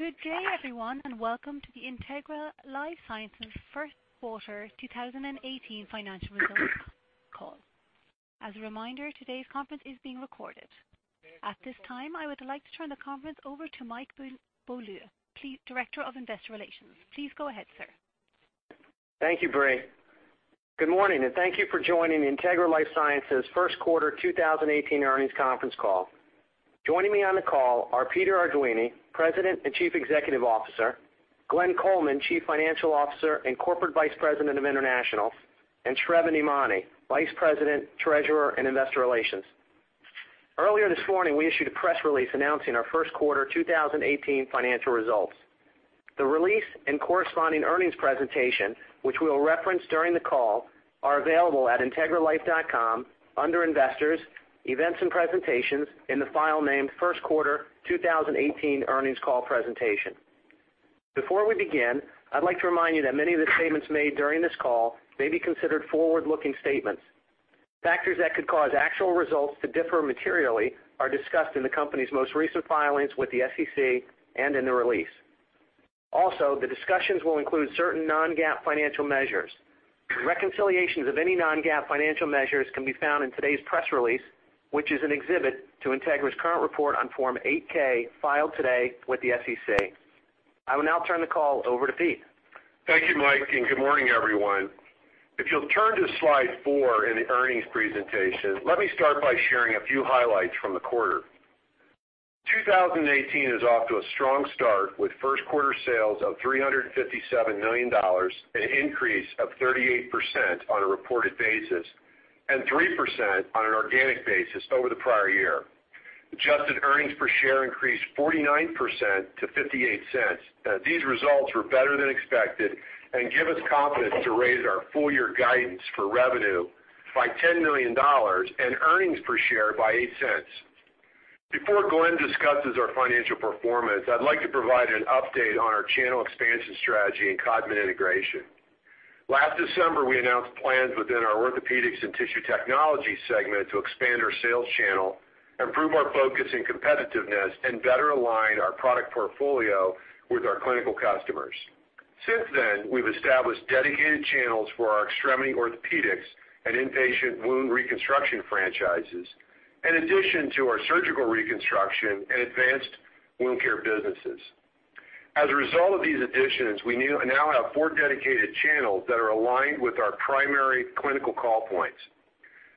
Good day, everyone, and welcome to the Integra LifeSciences first quarter 2018 financial results call. As a reminder, today's conference is being recorded. At this time, I would like to turn the conference over to Mike Beaulieu, Director of Investor Relations. Please go ahead, sir. Thank you, Bri. Good morning, and thank you for joining Integra LifeSciences first quarter 2018 earnings conference call. Joining me on the call are Peter Ardoini, President and Chief Executive Officer, Glenn Coleman, Chief Financial Officer and Corporate Vice President of International, and Sravan Emany, Vice President, Treasurer, and Investor Relations. Earlier this morning, we issued a press release announcing our first quarter 2018 financial results. The release and corresponding earnings presentation, which we will reference during the call, are available at integralifesciences.com under Investors, Events and Presentations, in the file named First Quarter 2018 Earnings Call Presentation. Before we begin, I'd like to remind you that many of the statements made during this call may be considered forward-looking statements. Factors that could cause actual results to differ materially are discussed in the company's most recent filings with the SEC and in the release. Also, the discussions will include certain non-GAAP financial measures. Reconciliations of any non-GAAP financial measures can be found in today's press release, which is an exhibit to Integra's current report on Form 8-K filed today with the SEC. I will now turn the call over to Pete. Thank you, Mike, and good morning, everyone. If you'll turn to slide four in the earnings presentation, let me start by sharing a few highlights from the quarter. 2018 is off to a strong start with first quarter sales of $357 million, an increase of 38% on a reported basis, and 3% on an organic basis over the prior year. Adjusted earnings per share increased 49% to $0.58. These results were better than expected and give us confidence to raise our full-year guidance for revenue by $10 million and earnings per share by $0.08. Before Glenn discusses our financial performance, I'd like to provide an update on our channel expansion strategy and Codman integration. Last December, we announced plans within our Orthopedics and Tissue Technologies segment to expand our sales channel, improve our focus and competitiveness, and better align our product portfolio with our clinical customers. Since then, we've established dedicated channels for our Extremity Orthopedics and Inpatient Wound Reconstruction franchises, in addition to our Surgical Reconstruction and Advanced Wound Care businesses. As a result of these additions, we now have four dedicated channels that are aligned with our primary clinical call points.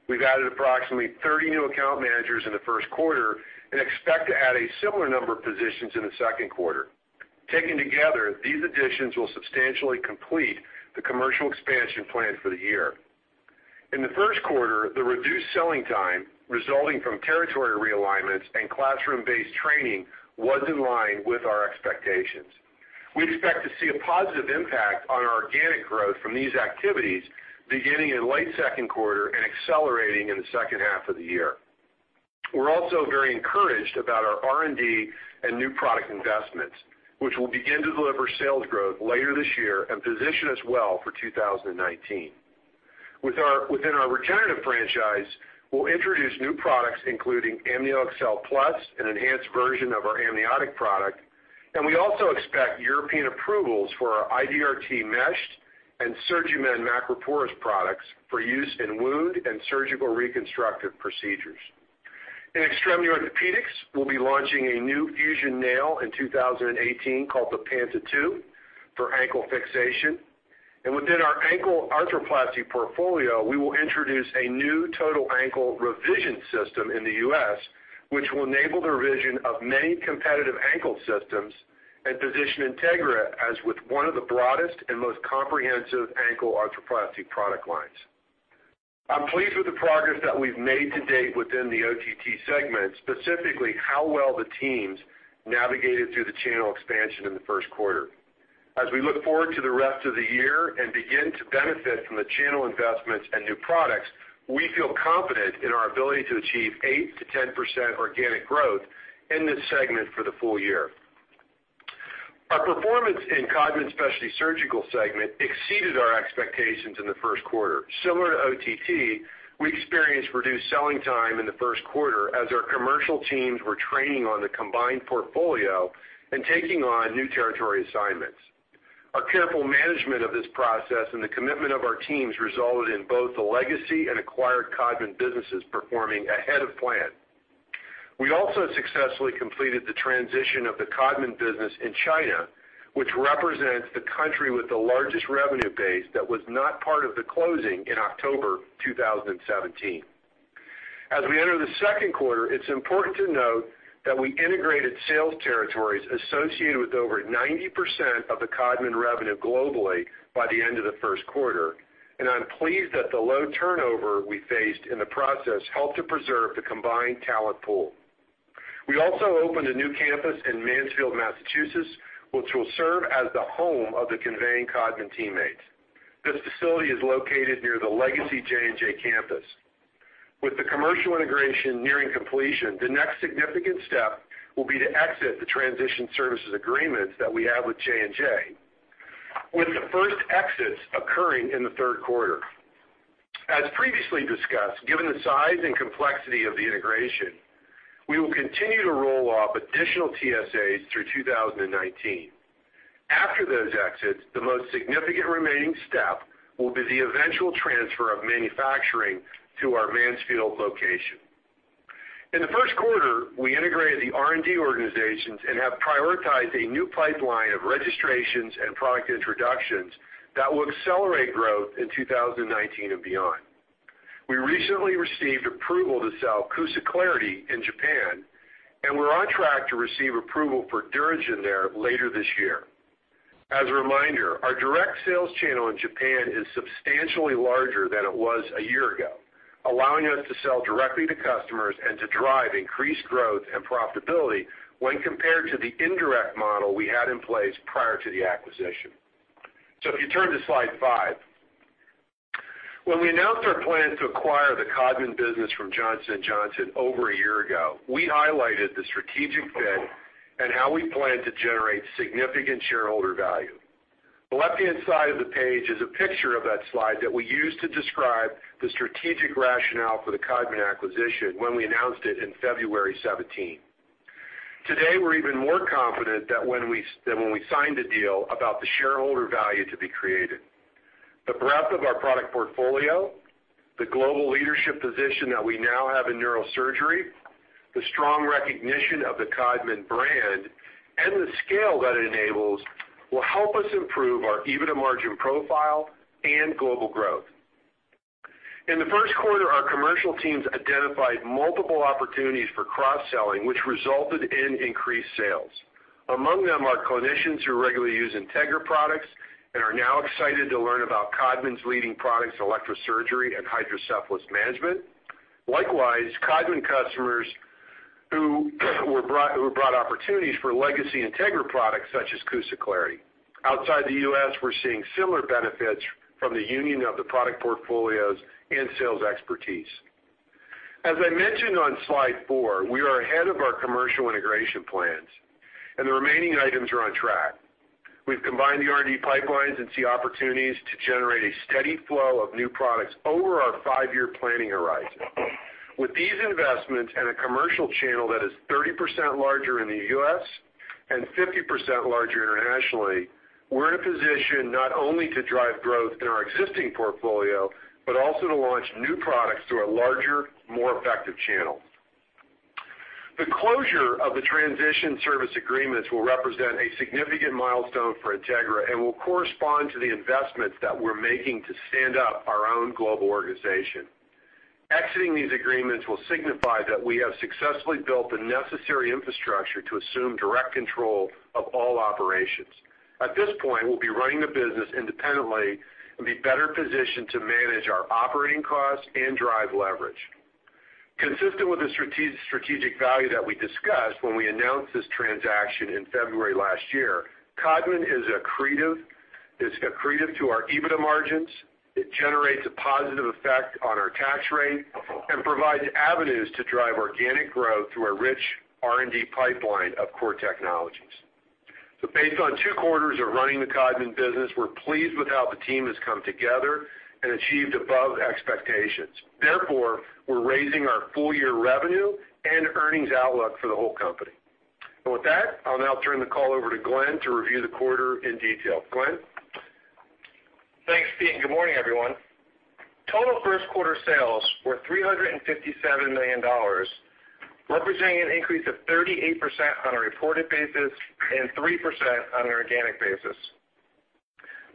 We've added approximately 30 new account managers in the first quarter and expect to add a similar number of positions in the second quarter. Taken together, these additions will substantially complete the commercial expansion plan for the year. In the first quarter, the reduced selling time resulting from territory realignments and classroom-based training was in line with our expectations. We expect to see a positive impact on our organic growth from these activities beginning in late second quarter and accelerating in the second half of the year. We're also very encouraged about our R&D and new product investments, which will begin to deliver sales growth later this year and position us well for 2019. Within our regenerative franchise, we'll introduce new products including AmnioExcel Plus, an enhanced version of our amniotic product, and we also expect European approvals for our IDRT Meshed and SurgiMend Macroporous products for use in wound and surgical reconstructive procedures. In Extremity Orthopedics, we'll be launching a new fusion nail in 2018 called the Panta 2 for ankle fixation, and within our ankle arthroplasty portfolio, we will introduce a new total ankle revision system in the U.S., which will enable the revision of many competitive ankle systems and position Integra as one of the broadest and most comprehensive ankle arthroplasty product lines. I'm pleased with the progress that we've made to date within the OTT segment, specifically how well the teams navigated through the channel expansion in the first quarter. As we look forward to the rest of the year and begin to benefit from the channel investments and new products, we feel confident in our ability to achieve 8%-10% organic growth in this segment for the full year. Our performance in Codman Specialty Surgical segment exceeded our expectations in the first quarter. Similar to OTT, we experienced reduced selling time in the first quarter as our commercial teams were training on the combined portfolio and taking on new territory assignments. Our careful management of this process and the commitment of our teams resulted in both the legacy and acquired Codman businesses performing ahead of plan. We also successfully completed the transition of the Codman business in China, which represents the country with the largest revenue base that was not part of the closing in October 2017. As we enter the second quarter, it's important to note that we integrated sales territories associated with over 90% of the Codman revenue globally by the end of the first quarter, and I'm pleased that the low turnover we faced in the process helped to preserve the combined talent pool. We also opened a new campus in Mansfield, Massachusetts, which will serve as the home for the Codman teammates. This facility is located near the legacy J&J campus. With the commercial integration nearing completion, the next significant step will be to exit the transition services agreements that we have with J&J, with the first exits occurring in the third quarter. As previously discussed, given the size and complexity of the integration, we will continue to roll off additional TSAs through 2019. After those exits, the most significant remaining step will be the eventual transfer of manufacturing to our Mansfield location. In the first quarter, we integrated the R&D organizations and have prioritized a new pipeline of registrations and product introductions that will accelerate growth in 2019 and beyond. We recently received approval to sell CUSA Clarity in Japan, and we're on track to receive approval for DuraGen there later this year. As a reminder, our direct sales channel in Japan is substantially larger than it was a year ago, allowing us to sell directly to customers and to drive increased growth and profitability when compared to the indirect model we had in place prior to the acquisition. So if you turn to slide five. When we announced our plan to acquire the Codman business from Johnson & Johnson over a year ago, we highlighted the strategic fit and how we plan to generate significant shareholder value. The left-hand side of the page is a picture of that slide that we used to describe the strategic rationale for the Codman acquisition when we announced it in February 2017. Today, we're even more confident that when we signed the deal about the shareholder value to be created. The breadth of our product portfolio, the global leadership position that we now have in neurosurgery, the strong recognition of the Codman brand, and the scale that it enables will help us improve our EBITDA margin profile and global growth. In the first quarter, our commercial teams identified multiple opportunities for cross-selling, which resulted in increased sales. Among them are clinicians who regularly use Integra products and are now excited to learn about Codman's leading products, electrosurgery and hydrocephalus management. Likewise, Codman customers who were brought opportunities for legacy Integra products such as CUSA Clarity. Outside the U.S., we're seeing similar benefits from the union of the product portfolios and sales expertise. As I mentioned on slide four, we are ahead of our commercial integration plans, and the remaining items are on track. We've combined the R&D pipelines and see opportunities to generate a steady flow of new products over our five-year planning horizon. With these investments and a commercial channel that is 30% larger in the U.S. and 50% larger internationally, we're in a position not only to drive growth in our existing portfolio but also to launch new products through a larger, more effective channel. The closure of the transition service agreements will represent a significant milestone for Integra and will correspond to the investments that we're making to stand up our own global organization. Exiting these agreements will signify that we have successfully built the necessary infrastructure to assume direct control of all operations. At this point, we'll be running the business independently and be better positioned to manage our operating costs and drive leverage. Consistent with the strategic value that we discussed when we announced this transaction in February last year, Codman is accretive to our EBITDA margins, it generates a positive effect on our tax rate, and provides avenues to drive organic growth through a rich R&D pipeline of core technologies. So based on two quarters of running the Codman business, we're pleased with how the team has come together and achieved above expectations. Therefore, we're raising our full-year revenue and earnings outlook for the whole company. And with that, I'll now turn the call over to Glenn to review the quarter in detail. Glenn? Thanks, Pete. And good morning, everyone. Total first quarter sales were $357 million, representing an increase of 38% on a reported basis and 3% on an organic basis.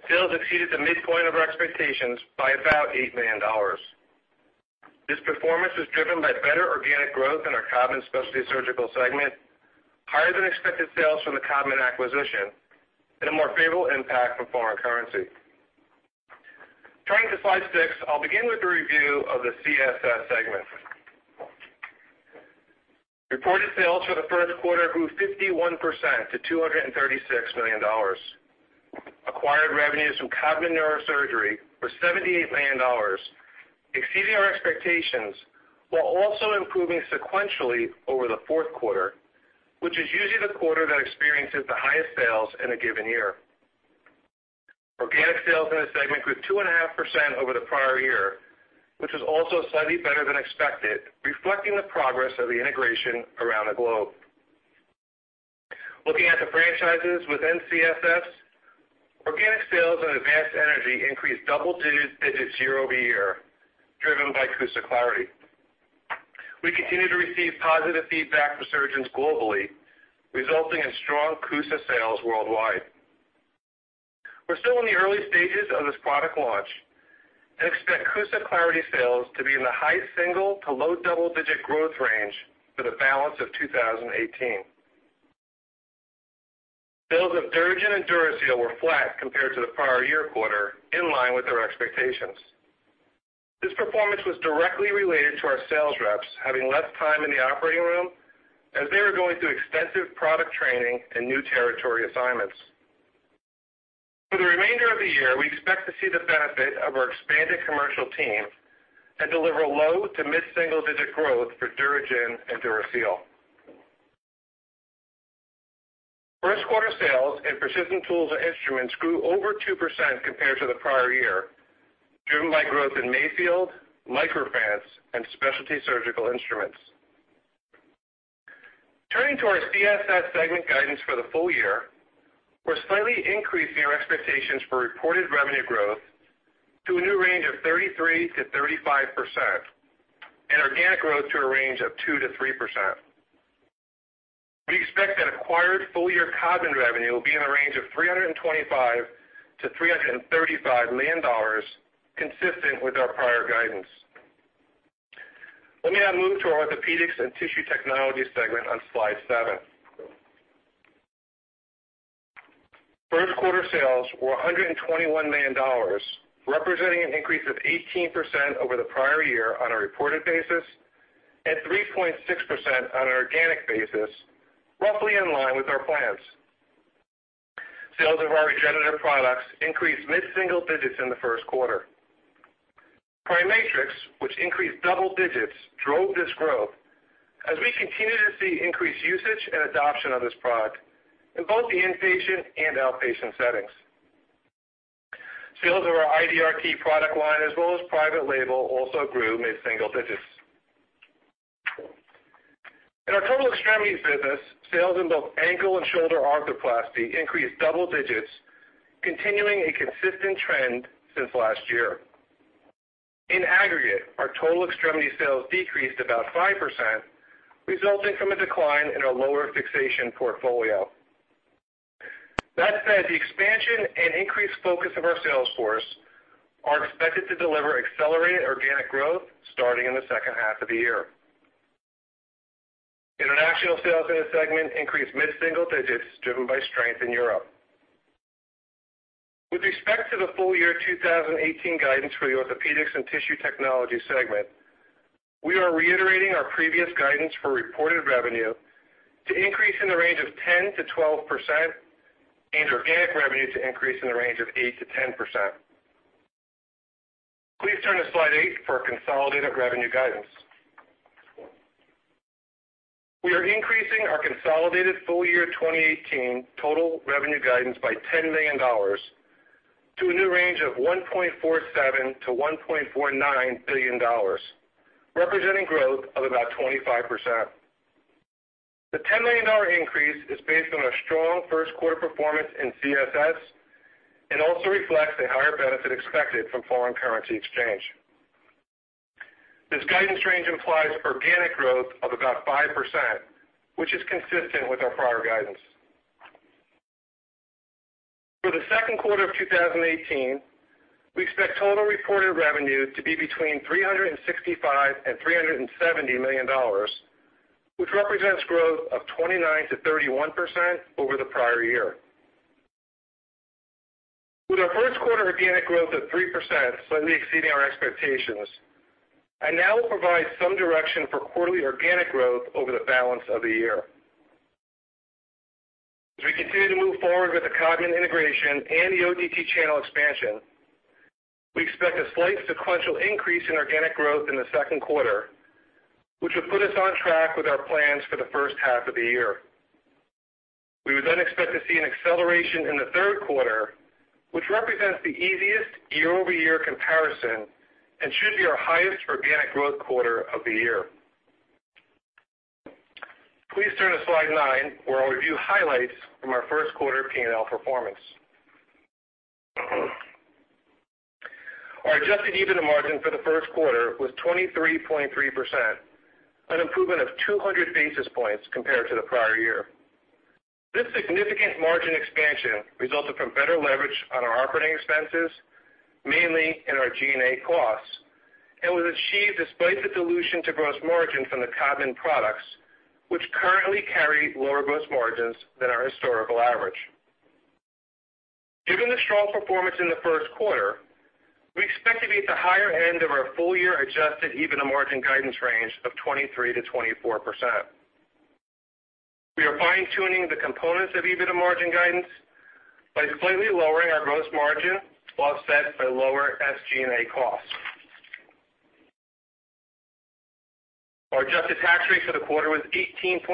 Sales exceeded the midpoint of our expectations by about $8 million. This performance was driven by better organic growth in our Codman Specialty Surgical segment, higher than expected sales from the Codman acquisition, and a more favorable impact from foreign currency. Turning to slide six, I'll begin with a review of the CSS segment. Reported sales for the first quarter grew 51% to $236 million. Acquired revenues from Codman Neurosurgery were $78 million, exceeding our expectations while also improving sequentially over the fourth quarter, which is usually the quarter that experiences the highest sales in a given year. Organic sales in this segment grew 2.5% over the prior year, which was also slightly better than expected, reflecting the progress of the integration around the globe. Looking at the franchises within CSS, organic sales and Advanced Energy increased double digits year over year, driven by CUSA Clarity. We continue to receive positive feedback from surgeons globally, resulting in strong CUSA sales worldwide. We're still in the early stages of this product launch and expect CUSA Clarity sales to be in the high single to low double-digit growth range for the balance of 2018. Sales of DuraGen and DuraSeal were flat compared to the prior year quarter, in line with our expectations. This performance was directly related to our sales reps having less time in the operating room as they were going through extensive product training and new territory assignments. For the remainder of the year, we expect to see the benefit of our expanded commercial team and deliver low to mid-single-digit growth for DuraGen and DuraSeal. First quarter sales of Precision Tools and Instruments grew over 2% compared to the prior year, driven by growth in Mayfield, MicroFrance, and Specialty Surgical Instruments. Turning to our CSS segment guidance for the full year, we're slightly increasing our expectations for reported revenue growth to a new range of 33%-35% and organic growth to a range of 2%-3%. We expect that acquired full-year Codman revenue will be in the range of $325-$335 million, consistent with our prior guidance. Let me now move to our Orthopedics and Tissue Technologies segment on slide seven. First quarter sales were $121 million, representing an increase of 18% over the prior year on a reported basis and 3.6% on an organic basis, roughly in line with our plans. Sales of our regenerative products increased mid-single digits in the first quarter. PriMatrix, which increased double digits, drove this growth as we continue to see increased usage and adoption of this product in both the inpatient and outpatient settings. Sales of our IDRT product line, as well as private label, also grew mid-single digits. In our total extremities business, sales in both ankle and shoulder arthroplasty increased double digits, continuing a consistent trend since last year. In aggregate, our total extremity sales decreased about 5%, resulting from a decline in our lower fixation portfolio. That said, the expansion and increased focus of our sales force are expected to deliver accelerated organic growth starting in the second half of the year. International sales in this segment increased mid-single digits, driven by strength in Europe. With respect to the full year 2018 guidance for the Orthopedics and Tissue Technologies segment, we are reiterating our previous guidance for reported revenue to increase in the range of 10%-12% and organic revenue to increase in the range of 8%-10%. Please turn to slide eight for our consolidated revenue guidance. We are increasing our consolidated full year 2018 total revenue guidance by $10 million to a new range of $1.47-$1.49 billion, representing growth of about 25%. The $10 million increase is based on our strong first quarter performance in CSS and also reflects a higher benefit expected from foreign currency exchange. This guidance range implies organic growth of about 5%, which is consistent with our prior guidance. For the second quarter of 2018, we expect total reported revenue to be between $365-$370 million, which represents growth of 29%-31% over the prior year. With our first quarter organic growth of 3%, slightly exceeding our expectations, I now will provide some direction for quarterly organic growth over the balance of the year. As we continue to move forward with the Codman integration and the OTT channel expansion, we expect a slight sequential increase in organic growth in the second quarter, which would put us on track with our plans for the first half of the year. We would then expect to see an acceleration in the third quarter, which represents the easiest year-over-year comparison and should be our highest organic growth quarter of the year. Please turn to slide nine, where I'll review highlights from our first quarter P&L performance. Our adjusted EBITDA margin for the first quarter was 23.3%, an improvement of 200 basis points compared to the prior year. This significant margin expansion resulted from better leverage on our operating expenses, mainly in our G&A costs, and was achieved despite the dilution to gross margin from the Codman products, which currently carry lower gross margins than our historical average. Given the strong performance in the first quarter, we expect to be at the higher end of our full-year adjusted EBITDA margin guidance range of 23%-24%. We are fine-tuning the components of EBITDA margin guidance by slightly lowering our gross margin while set for lower SG&A costs. Our adjusted tax rate for the quarter was 18.4%,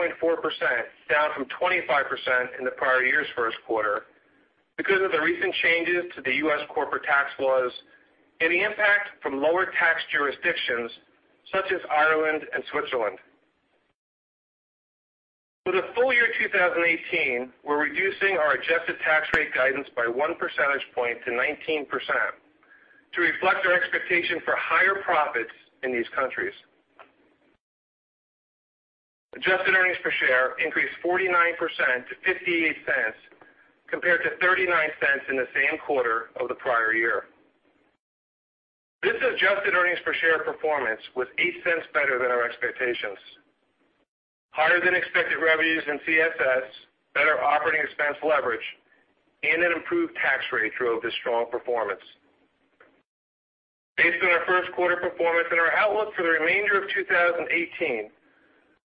down from 25% in the prior year's first quarter because of the recent changes to the U.S. corporate tax laws and the impact from lower tax jurisdictions such as Ireland and Switzerland. For the full year 2018, we're reducing our adjusted tax rate guidance by one percentage point to 19% to reflect our expectation for higher profits in these countries. Adjusted earnings per share increased 49% to $0.58 compared to $0.39 in the same quarter of the prior year. This adjusted earnings per share performance was $0.08 better than our expectations. Higher than expected revenues in CSS, better operating expense leverage, and an improved tax rate drove this strong performance. Based on our first quarter performance and our outlook for the remainder of 2018,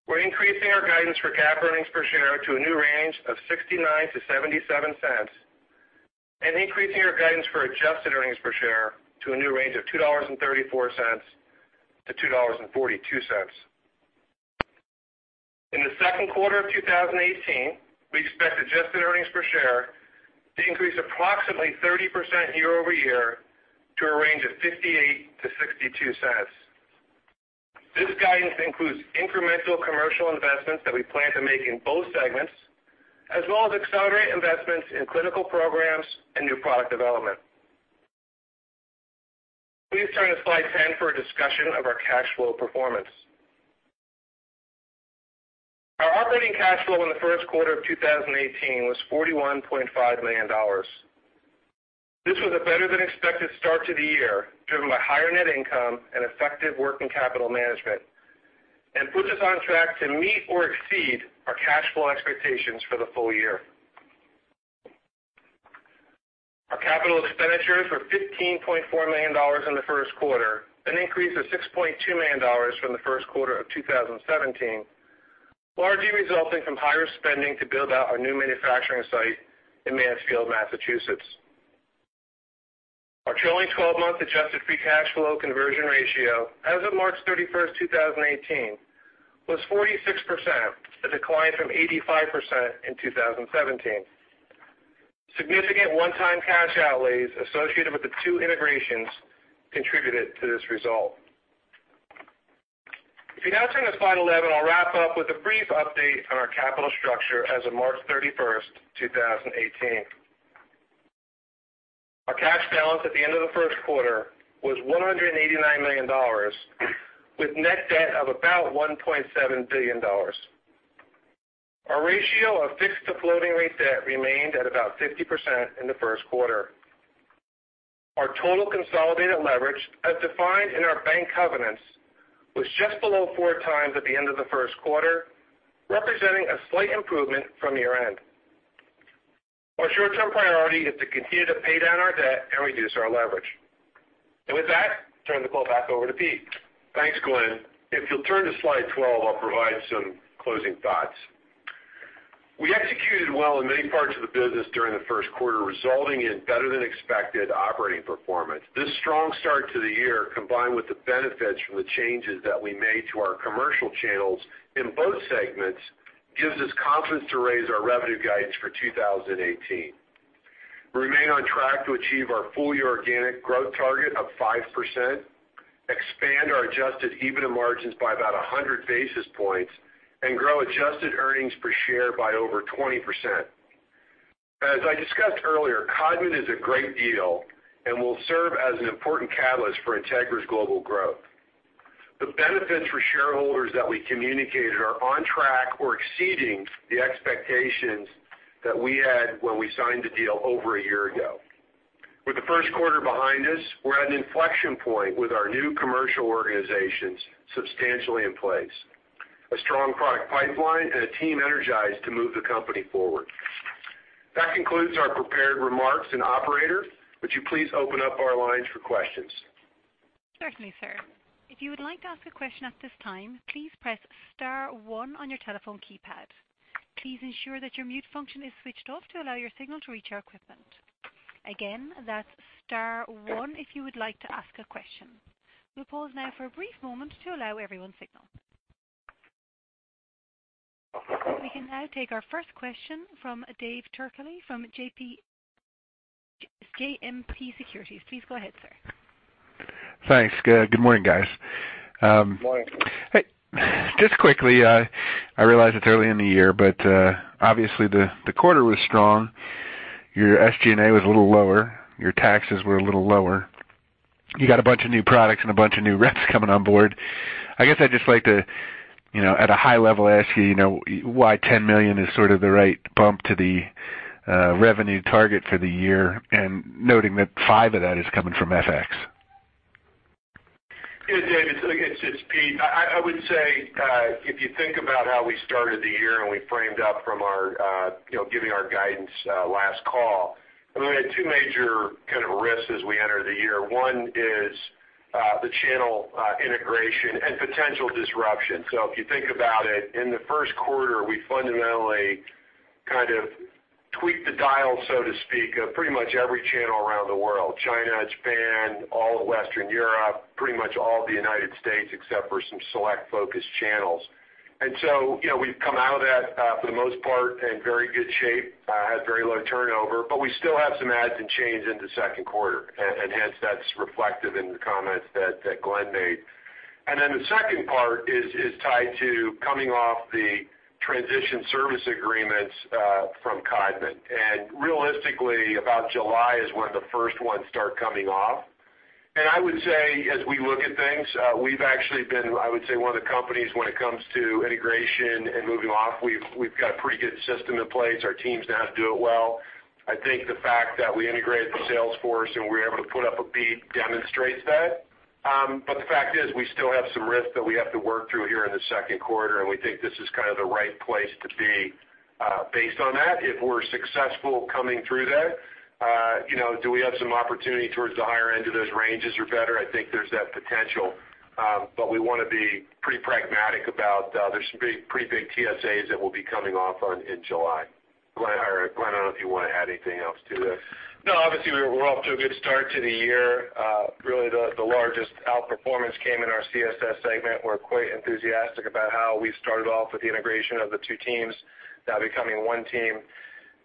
we're increasing our guidance for GAAP earnings per share to a new range of $0.69-$0.77 and increasing our guidance for adjusted earnings per share to a new range of $2.34-$2.42. In the second quarter of 2018, we expect adjusted earnings per share to increase approximately 30% year-over-year to a range of $0.58-$0.62. This guidance includes incremental commercial investments that we plan to make in both segments, as well as accelerate investments in clinical programs and new product development. Please turn to slide 10 for a discussion of our cash flow performance. Our operating cash flow in the first quarter of 2018 was $41.5 million. This was a better-than-expected start to the year, driven by higher net income and effective working capital management, and puts us on track to meet or exceed our cash flow expectations for the full year. Our capital expenditures were $15.4 million in the first quarter, an increase of $6.2 million from the first quarter of 2017, largely resulting from higher spending to build out our new manufacturing site in Mansfield, Massachusetts. Our trailing 12-month adjusted free cash flow conversion ratio, as of March 31, 2018, was 46%, a decline from 85% in 2017. Significant one-time cash outlays associated with the two integrations contributed to this result. If you now turn to slide 11, I'll wrap up with a brief update on our capital structure as of March 31, 2018. Our cash balance at the end of the first quarter was $189 million, with net debt of about $1.7 billion. Our ratio of fixed to floating rate debt remained at about 50% in the first quarter. Our total consolidated leverage, as defined in our bank covenants, was just below four times at the end of the first quarter, representing a slight improvement from year-end. Our short-term priority is to continue to pay down our debt and reduce our leverage, and with that, turn the call back over to Pete. Thanks, Glenn. If you'll turn to slide 12, I'll provide some closing thoughts. We executed well in many parts of the business during the first quarter, resulting in better-than-expected operating performance. This strong start to the year, combined with the benefits from the changes that we made to our commercial channels in both segments, gives us confidence to raise our revenue guidance for 2018. We remain on track to achieve our full-year organic growth target of 5%, expand our adjusted EBITDA margins by about 100 basis points, and grow adjusted earnings per share by over 20%. As I discussed earlier, Codman is a great deal and will serve as an important catalyst for Integra's global growth. The benefits for shareholders that we communicated are on track or exceeding the expectations that we had when we signed the deal over a year ago. With the first quarter behind us, we're at an inflection point with our new commercial organizations substantially in place, a strong product pipeline, and a team energized to move the company forward. That concludes our prepared remarks, and operator. Would you please open up our lines for questions? Certainly, sir. If you would like to ask a question at this time, please press star one on your telephone keypad. Please ensure that your mute function is switched off to allow your signal to reach our equipment. Again, that's star one if you would like to ask a question. We'll pause now for a brief moment to allow everyone's signal. We can now take our first question from David Turkaly from JMP Securities. Please go ahead, sir. Thanks. Good morning, guys. Good morning. Hey. Just quickly, I realize it's early in the year, but obviously, the quarter was strong. Your SG&A was a little lower. Your taxes were a little lower. You got a bunch of new products and a bunch of new reps coming on board. I guess I'd just like to, at a high level, ask you why $10 million is sort of the right bump to the revenue target for the year, noting that $5 million of that is coming from FX. Yeah, David, it's Pete. I would say, if you think about how we started the year and we framed up from giving our guidance last call, we had two major kind of risks as we entered the year. One is the channel integration and potential disruption. So if you think about it, in the first quarter, we fundamentally kind of tweaked the dial, so to speak, of pretty much every channel around the world: China, Japan, all of Western Europe, pretty much all of the United States, except for some select focus channels. And so we've come out of that, for the most part, in very good shape, had very low turnover, but we still have some adds and changes into the second quarter, and hence that's reflective in the comments that Glenn made. And then the second part is tied to coming off the transition service agreements from Codman. Realistically, about July is when the first ones start coming off. I would say, as we look at things, we've actually been, I would say, one of the companies when it comes to integration and moving off, we've got a pretty good system in place. Our teams now do it well. I think the fact that we integrated the sales force and we were able to put up a beat demonstrates that. But the fact is, we still have some risks that we have to work through here in the second quarter, and we think this is kind of the right place to be based on that. If we're successful coming through that, do we have some opportunity towards the higher end of those ranges or better? I think there's that potential, but we want to be pretty pragmatic about there's some pretty big TSAs that will be coming off in July. Glenn, I don't know if you want to add anything else to this. No, obviously, we're off to a good start to the year. Really, the largest outperformance came in our CSS segment. We're quite enthusiastic about how we started off with the integration of the two teams now becoming one team.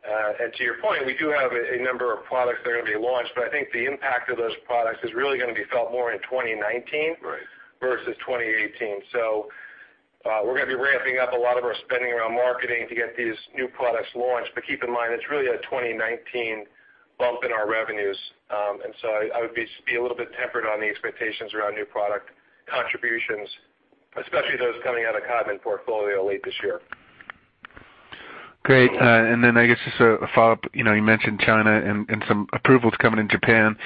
And to your point, we do have a number of products that are going to be launched, but I think the impact of those products is really going to be felt more in 2019 versus 2018. So we're going to be ramping up a lot of our spending around marketing to get these new products launched. But keep in mind, it's really a 2019 bump in our revenues. And so I would be a little bit tempered on the expectations around new product contributions, especially those coming out of Codman's portfolio late this year. Great. And then I guess just a follow-up. You mentioned China and some approvals coming in Japan.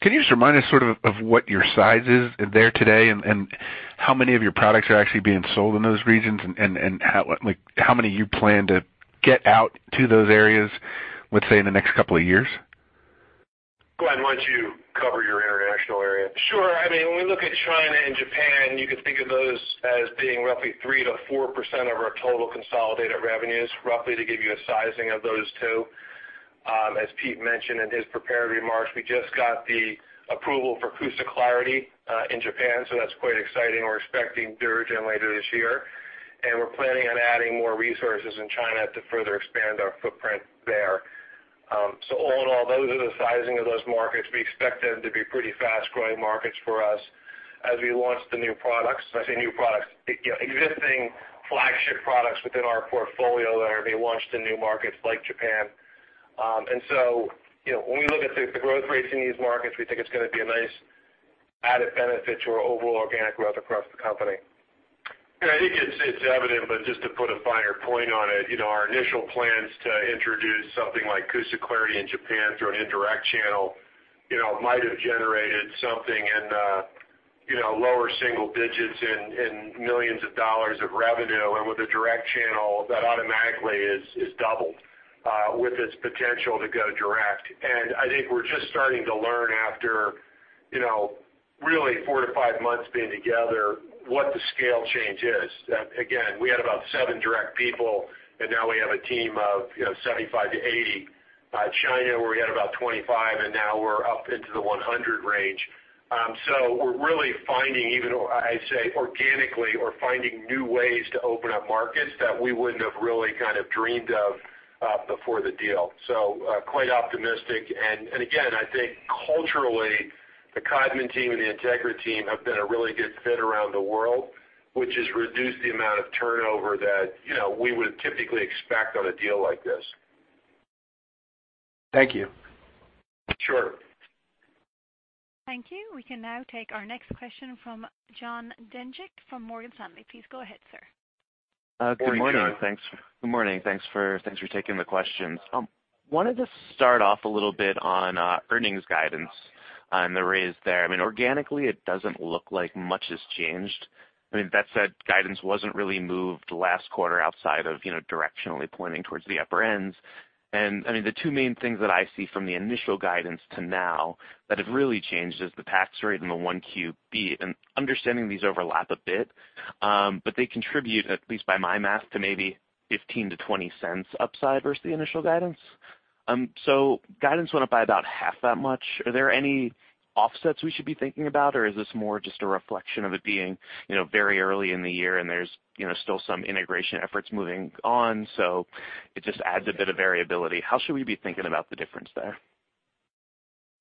Can you just remind us sort of what your size is there today and how many of your products are actually being sold in those regions and how many you plan to get out to those areas, let's say, in the next couple of years? Glenn, why don't you cover your international area? Sure. I mean, when we look at China and Japan, you can think of those as being roughly 3%-4% of our total consolidated revenues, roughly to give you a sizing of those two. As Pete mentioned in his prepared remarks, we just got the approval for CUSA Clarity in Japan, so that's quite exciting. We're expecting DuraGen later this year, and we're planning on adding more resources in China to further expand our footprint there. So all in all, those are the sizing of those markets. We expect them to be pretty fast-growing markets for us as we launch the new products. When I say new products, existing flagship products within our portfolio that are being launched in new markets like Japan. When we look at the growth rates in these markets, we think it's going to be a nice added benefit to our overall organic growth across the company. Yeah, I think it's evident, but just to put a finer point on it, our initial plans to introduce something like CUSA Clarity in Japan through an indirect channel might have generated something in lower single digits in $ millions of revenue. And with a direct channel, that automatically is doubled with its potential to go direct. And I think we're just starting to learn after really four to five months being together what the scale change is. Again, we had about seven direct people, and now we have a team of 75 to 80. China where we had about 25, and now we're up into the 100 range. So we're really finding, even I say organically, we're finding new ways to open up markets that we wouldn't have really kind of dreamed of before the deal. So quite optimistic. Again, I think culturally, the Codman team and the Integra team have been a really good fit around the world, which has reduced the amount of turnover that we would typically expect on a deal like this. Thank you. Sure. Thank you. We can now take our next question from Jonathan Demchick from Morgan Stanley. Please go ahead, sir. Good morning. Good morning. Good morning. Thanks for taking the questions. I wanted to start off a little bit on earnings guidance and the raise there. I mean, organically, it doesn't look like much has changed. I mean, that said, guidance wasn't really moved last quarter outside of directionally pointing towards the upper end. And I mean, the two main things that I see from the initial guidance to now that have really changed is the tax rate and the Q1 beat. And understanding these overlap a bit, but they contribute, at least by my math, to maybe $0.15-$0.20 upside versus the initial guidance. So guidance went up by about half that much. Are there any offsets we should be thinking about, or is this more just a reflection of it being very early in the year and there's still some integration efforts moving on? It just adds a bit of variability. How should we be thinking about the difference there?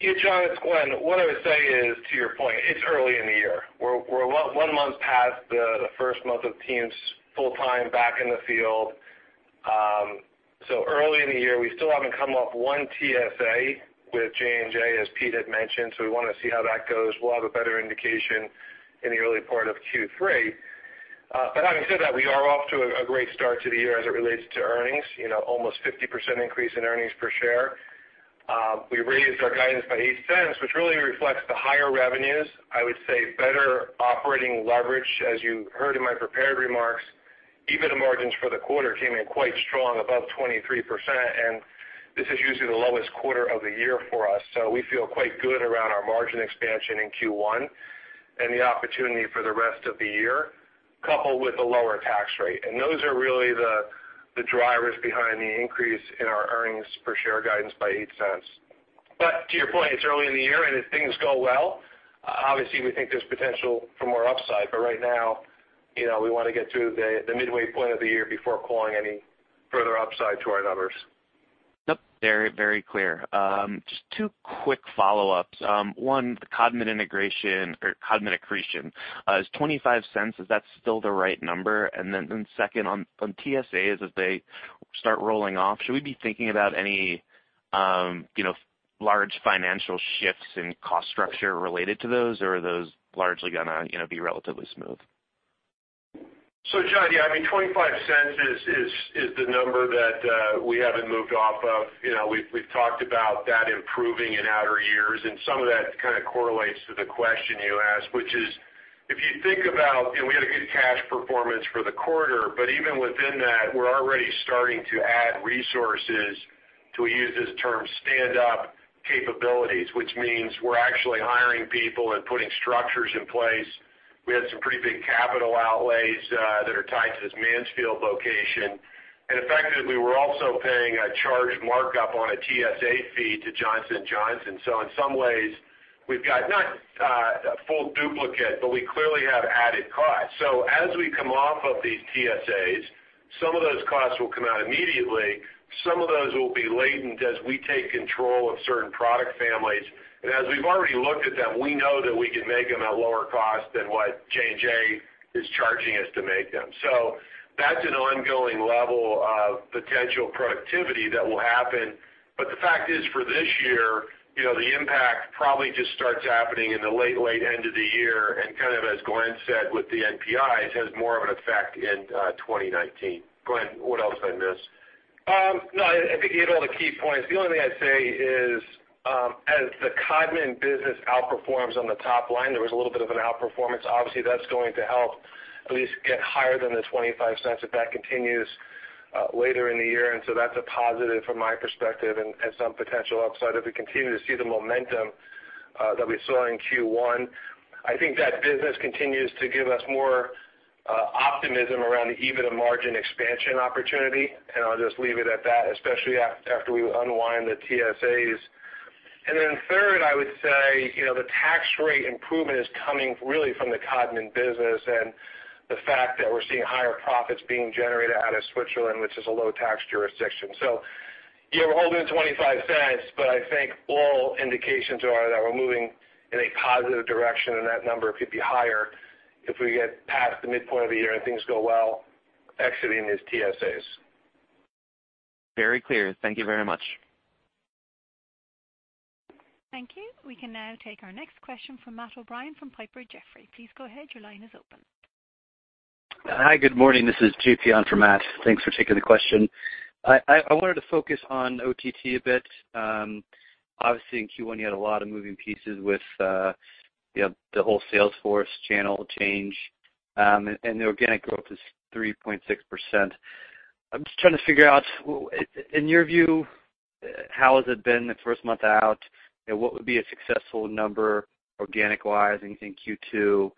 Yeah, John, it's Glenn. What I would say is, to your point, it's early in the year. We're one month past the first month of teams full-time back in the field. Early in the year, we still haven't come off one TSA with J&J, as Pete had mentioned. We want to see how that goes. We'll have a better indication in the early part of Q3. Having said that, we are off to a great start to the year as it relates to earnings, almost 50% increase in earnings per share. We raised our guidance by $0.08, which really reflects the higher revenues. I would say better operating leverage, as you heard in my prepared remarks. EBITDA margins for the quarter came in quite strong, above 23%. And this is usually the lowest quarter of the year for us. So we feel quite good around our margin expansion in Q1 and the opportunity for the rest of the year, coupled with a lower tax rate. And those are really the drivers behind the increase in our earnings per share guidance by $0.08. But to your point, it's early in the year, and if things go well, obviously, we think there's potential for more upside. But right now, we want to get through the midway point of the year before calling any further upside to our numbers. Yep. Very, very clear. Just two quick follow-ups. One, the Codman integration or Codman accretion is $0.25. Is that still the right number? And then second, on TSAs, as they start rolling off, should we be thinking about any large financial shifts in cost structure related to those, or are those largely going to be relatively smooth? So John, yeah, I mean, $0.25 is the number that we haven't moved off of. We've talked about that improving in outer years. And some of that kind of correlates to the question you asked, which is, if you think about we had a good cash performance for the quarter, but even within that, we're already starting to add resources to, we use this term, stand-up capabilities, which means we're actually hiring people and putting structures in place. We had some pretty big capital outlays that are tied to this Mansfield location. And effectively, we're also paying a charged markup on a TSA fee to Johnson & Johnson. So in some ways, we've got not a full duplicate, but we clearly have added costs. So as we come off of these TSAs, some of those costs will come out immediately. Some of those will be latent as we take control of certain product families. And as we've already looked at them, we know that we can make them at lower cost than what J&J is charging us to make them. So that's an ongoing level of potential productivity that will happen. But the fact is, for this year, the impact probably just starts happening in the late, late end of the year. And kind of as Glenn said with the NPIs, it has more of an effect in 2019. Glenn, what else did I miss? No, I think you hit all the key points. The only thing I'd say is, as the Codman business outperforms on the top line, there was a little bit of an outperformance. Obviously, that's going to help at least get higher than the $0.25 if that continues later in the year. And so that's a positive from my perspective and some potential upside if we continue to see the momentum that we saw in Q1. I think that business continues to give us more optimism around the EBITDA margin expansion opportunity. And I'll just leave it at that, especially after we unwind the TSAs. And then third, I would say the tax rate improvement is coming really from the Codman business and the fact that we're seeing higher profits being generated out of Switzerland, which is a low-tax jurisdiction. So yeah, we're holding at $0.25, but I think all indications are that we're moving in a positive direction, and that number could be higher if we get past the midpoint of the year and things go well exiting these TSAs. Very clear. Thank you very much. Thank you. We can now take our next question from Matt O'Brien from Piper Jaffray. Please go ahead. Your line is open. Hi, good morning. This is J.P. on for Matt. Thanks for taking the question. I wanted to focus on OTT a bit. Obviously, in Q1, you had a lot of moving pieces with the whole sales force channel change, and the organic growth is 3.6%. I'm just trying to figure out, in your view, how has it been the first month out? What would be a successful number organic-wise? Anything Q2?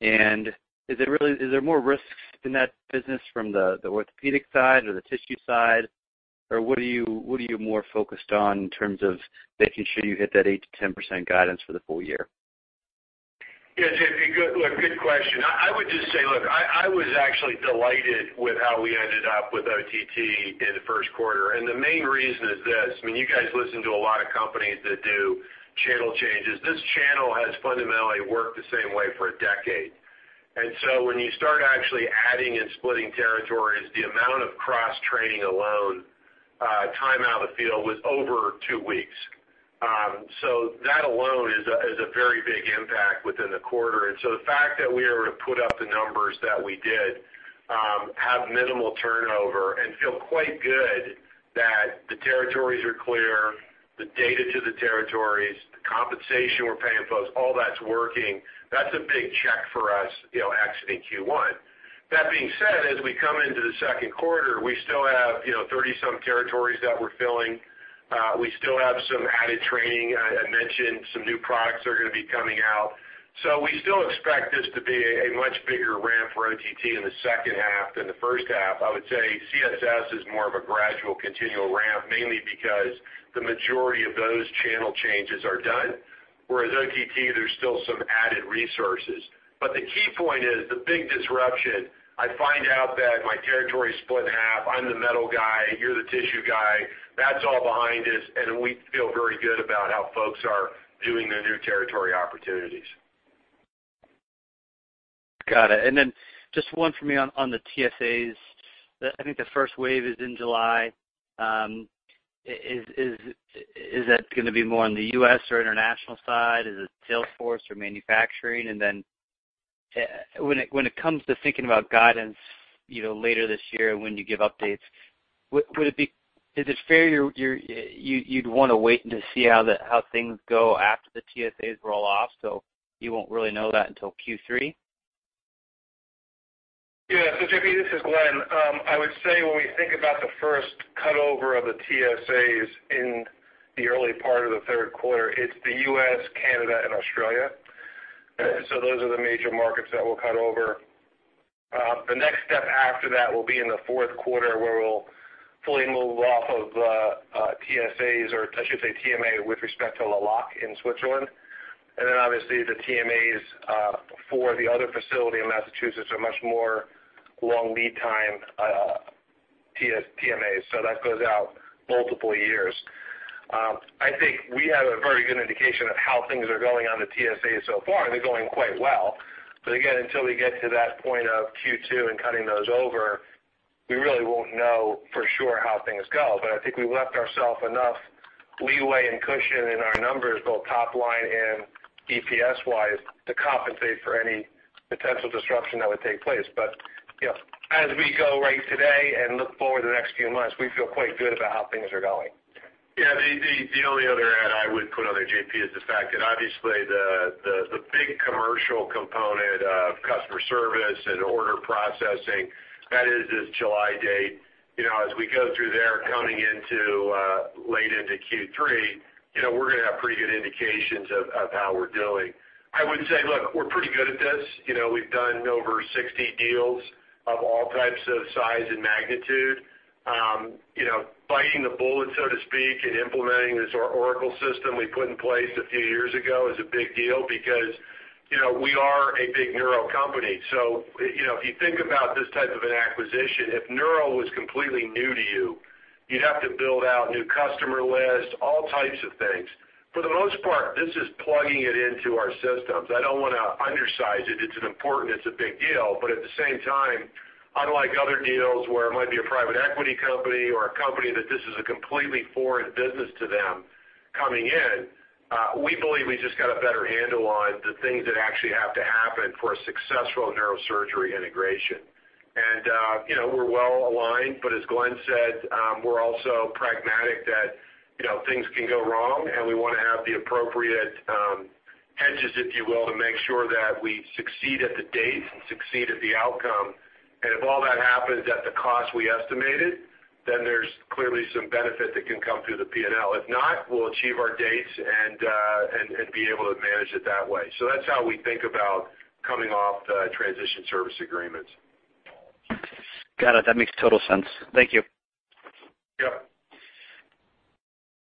And is there more risks in that business from the orthopedic side or the tissue side? Or what are you more focused on in terms of making sure you hit that 8%-10% guidance for the full year? Yeah, JP, good question. I would just say, look, I was actually delighted with how we ended up with OTT in the first quarter. And the main reason is this. I mean, you guys listen to a lot of companies that do channel changes. This channel has fundamentally worked the same way for a decade. And so when you start actually adding and splitting territories, the amount of cross-training alone, time out of the field, was over two weeks. So that alone is a very big impact within the quarter. And so the fact that we were able to put up the numbers that we did, have minimal turnover, and feel quite good that the territories are clear, the data to the territories, the compensation we're paying folks, all that's working, that's a big check for us exiting Q1. That being said, as we come into the second quarter, we still have 30-some territories that we're filling. We still have some added training. I mentioned some new products are going to be coming out. So we still expect this to be a much bigger ramp for OTT in the second half than the first half. I would say CSS is more of a gradual continual ramp, mainly because the majority of those channel changes are done. Whereas OTT, there's still some added resources, but the key point is the big disruption. I find out that my territory's split in half. I'm the metal guy. You're the tissue guy. That's all behind us, and we feel very good about how folks are viewing the new territory opportunities. Got it. And then just one from me on the TSAs. I think the first wave is in July. Is that going to be more on the U.S. or international side? Is it sales force or manufacturing? And then when it comes to thinking about guidance later this year and when you give updates, would it be fair you'd want to wait and see how things go after the TSAs roll off? So you won't really know that until Q3? Yeah. So JP, this is Glenn. I would say when we think about the first cutover of the TSAs in the early part of the third quarter, it's the U.S., Canada, and Australia. So those are the major markets that we'll cut over. The next step after that will be in the fourth quarter where we'll fully move off of the TSAs, or I should say TMA, with respect to Le Locle in Switzerland. And then obviously, the TMAs for the other facility in Massachusetts are much more long lead time TMAs. So that goes out multiple years. I think we have a very good indication of how things are going on the TSAs so far. They're going quite well. But again, until we get to that point of Q2 and cutting those over, we really won't know for sure how things go. But I think we've left ourselves enough leeway and cushion in our numbers, both top line and EPS-wise, to compensate for any potential disruption that would take place. But as we go right today and look forward to the next few months, we feel quite good about how things are going. Yeah. The only other add I would put on there, JP, is the fact that obviously the big commercial component of customer service and order processing, that is this July date. As we go through there coming into late into Q3, we're going to have pretty good indications of how we're doing. I would say, look, we're pretty good at this. We've done over 60 deals of all types of size and magnitude. Biting the bullet, so to speak, and implementing this Oracle system we put in place a few years ago is a big deal because we are a big Neuro company. So if you think about this type of an acquisition, if Neuro was completely new to you, you'd have to build out new customer lists, all types of things. For the most part, this is plugging it into our systems. I don't want to undersize it. It's important. It's a big deal, but at the same time, unlike other deals where it might be a private equity company or a company that this is a completely foreign business to them coming in, we believe we just got a better handle on the things that actually have to happen for a successful neurosurgery integration, and we're well aligned. But as Glenn said, we're also pragmatic that things can go wrong, and we want to have the appropriate hedges, if you will, to make sure that we succeed at the date and succeed at the outcome. And if all that happens at the cost we estimated, then there's clearly some benefit that can come through the P&L. If not, we'll achieve our dates and be able to manage it that way. So that's how we think about coming off the transition service agreements. Got it. That makes total sense. Thank you. Yep.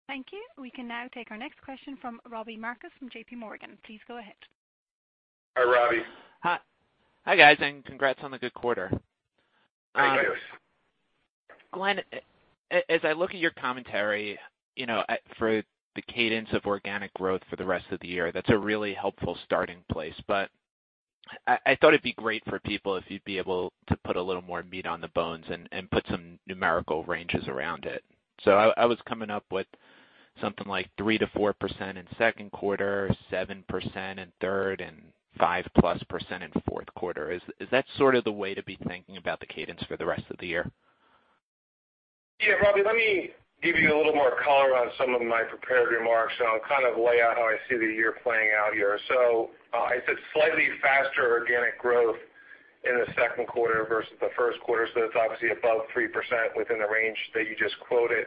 Thank you. We can now take our next question from Robbie Marcus from J.P. Morgan. Please go ahead. Hi, Robbie. Hi. Hi guys, and congrats on the good quarter. Thank you. Glenn, as I look at your commentary for the cadence of organic growth for the rest of the year, that's a really helpful starting place. But I thought it'd be great for people if you'd be able to put a little more meat on the bones and put some numerical ranges around it. So I was coming up with something like 3%-4% in second quarter, 7% in third, and 5%+ in fourth quarter. Is that sort of the way to be thinking about the cadence for the rest of the year? Yeah, Robbie, let me give you a little more color on some of my prepared remarks, and I'll kind of lay out how I see the year playing out here. So I said slightly faster organic growth in the second quarter versus the first quarter. So it's obviously above 3% within the range that you just quoted.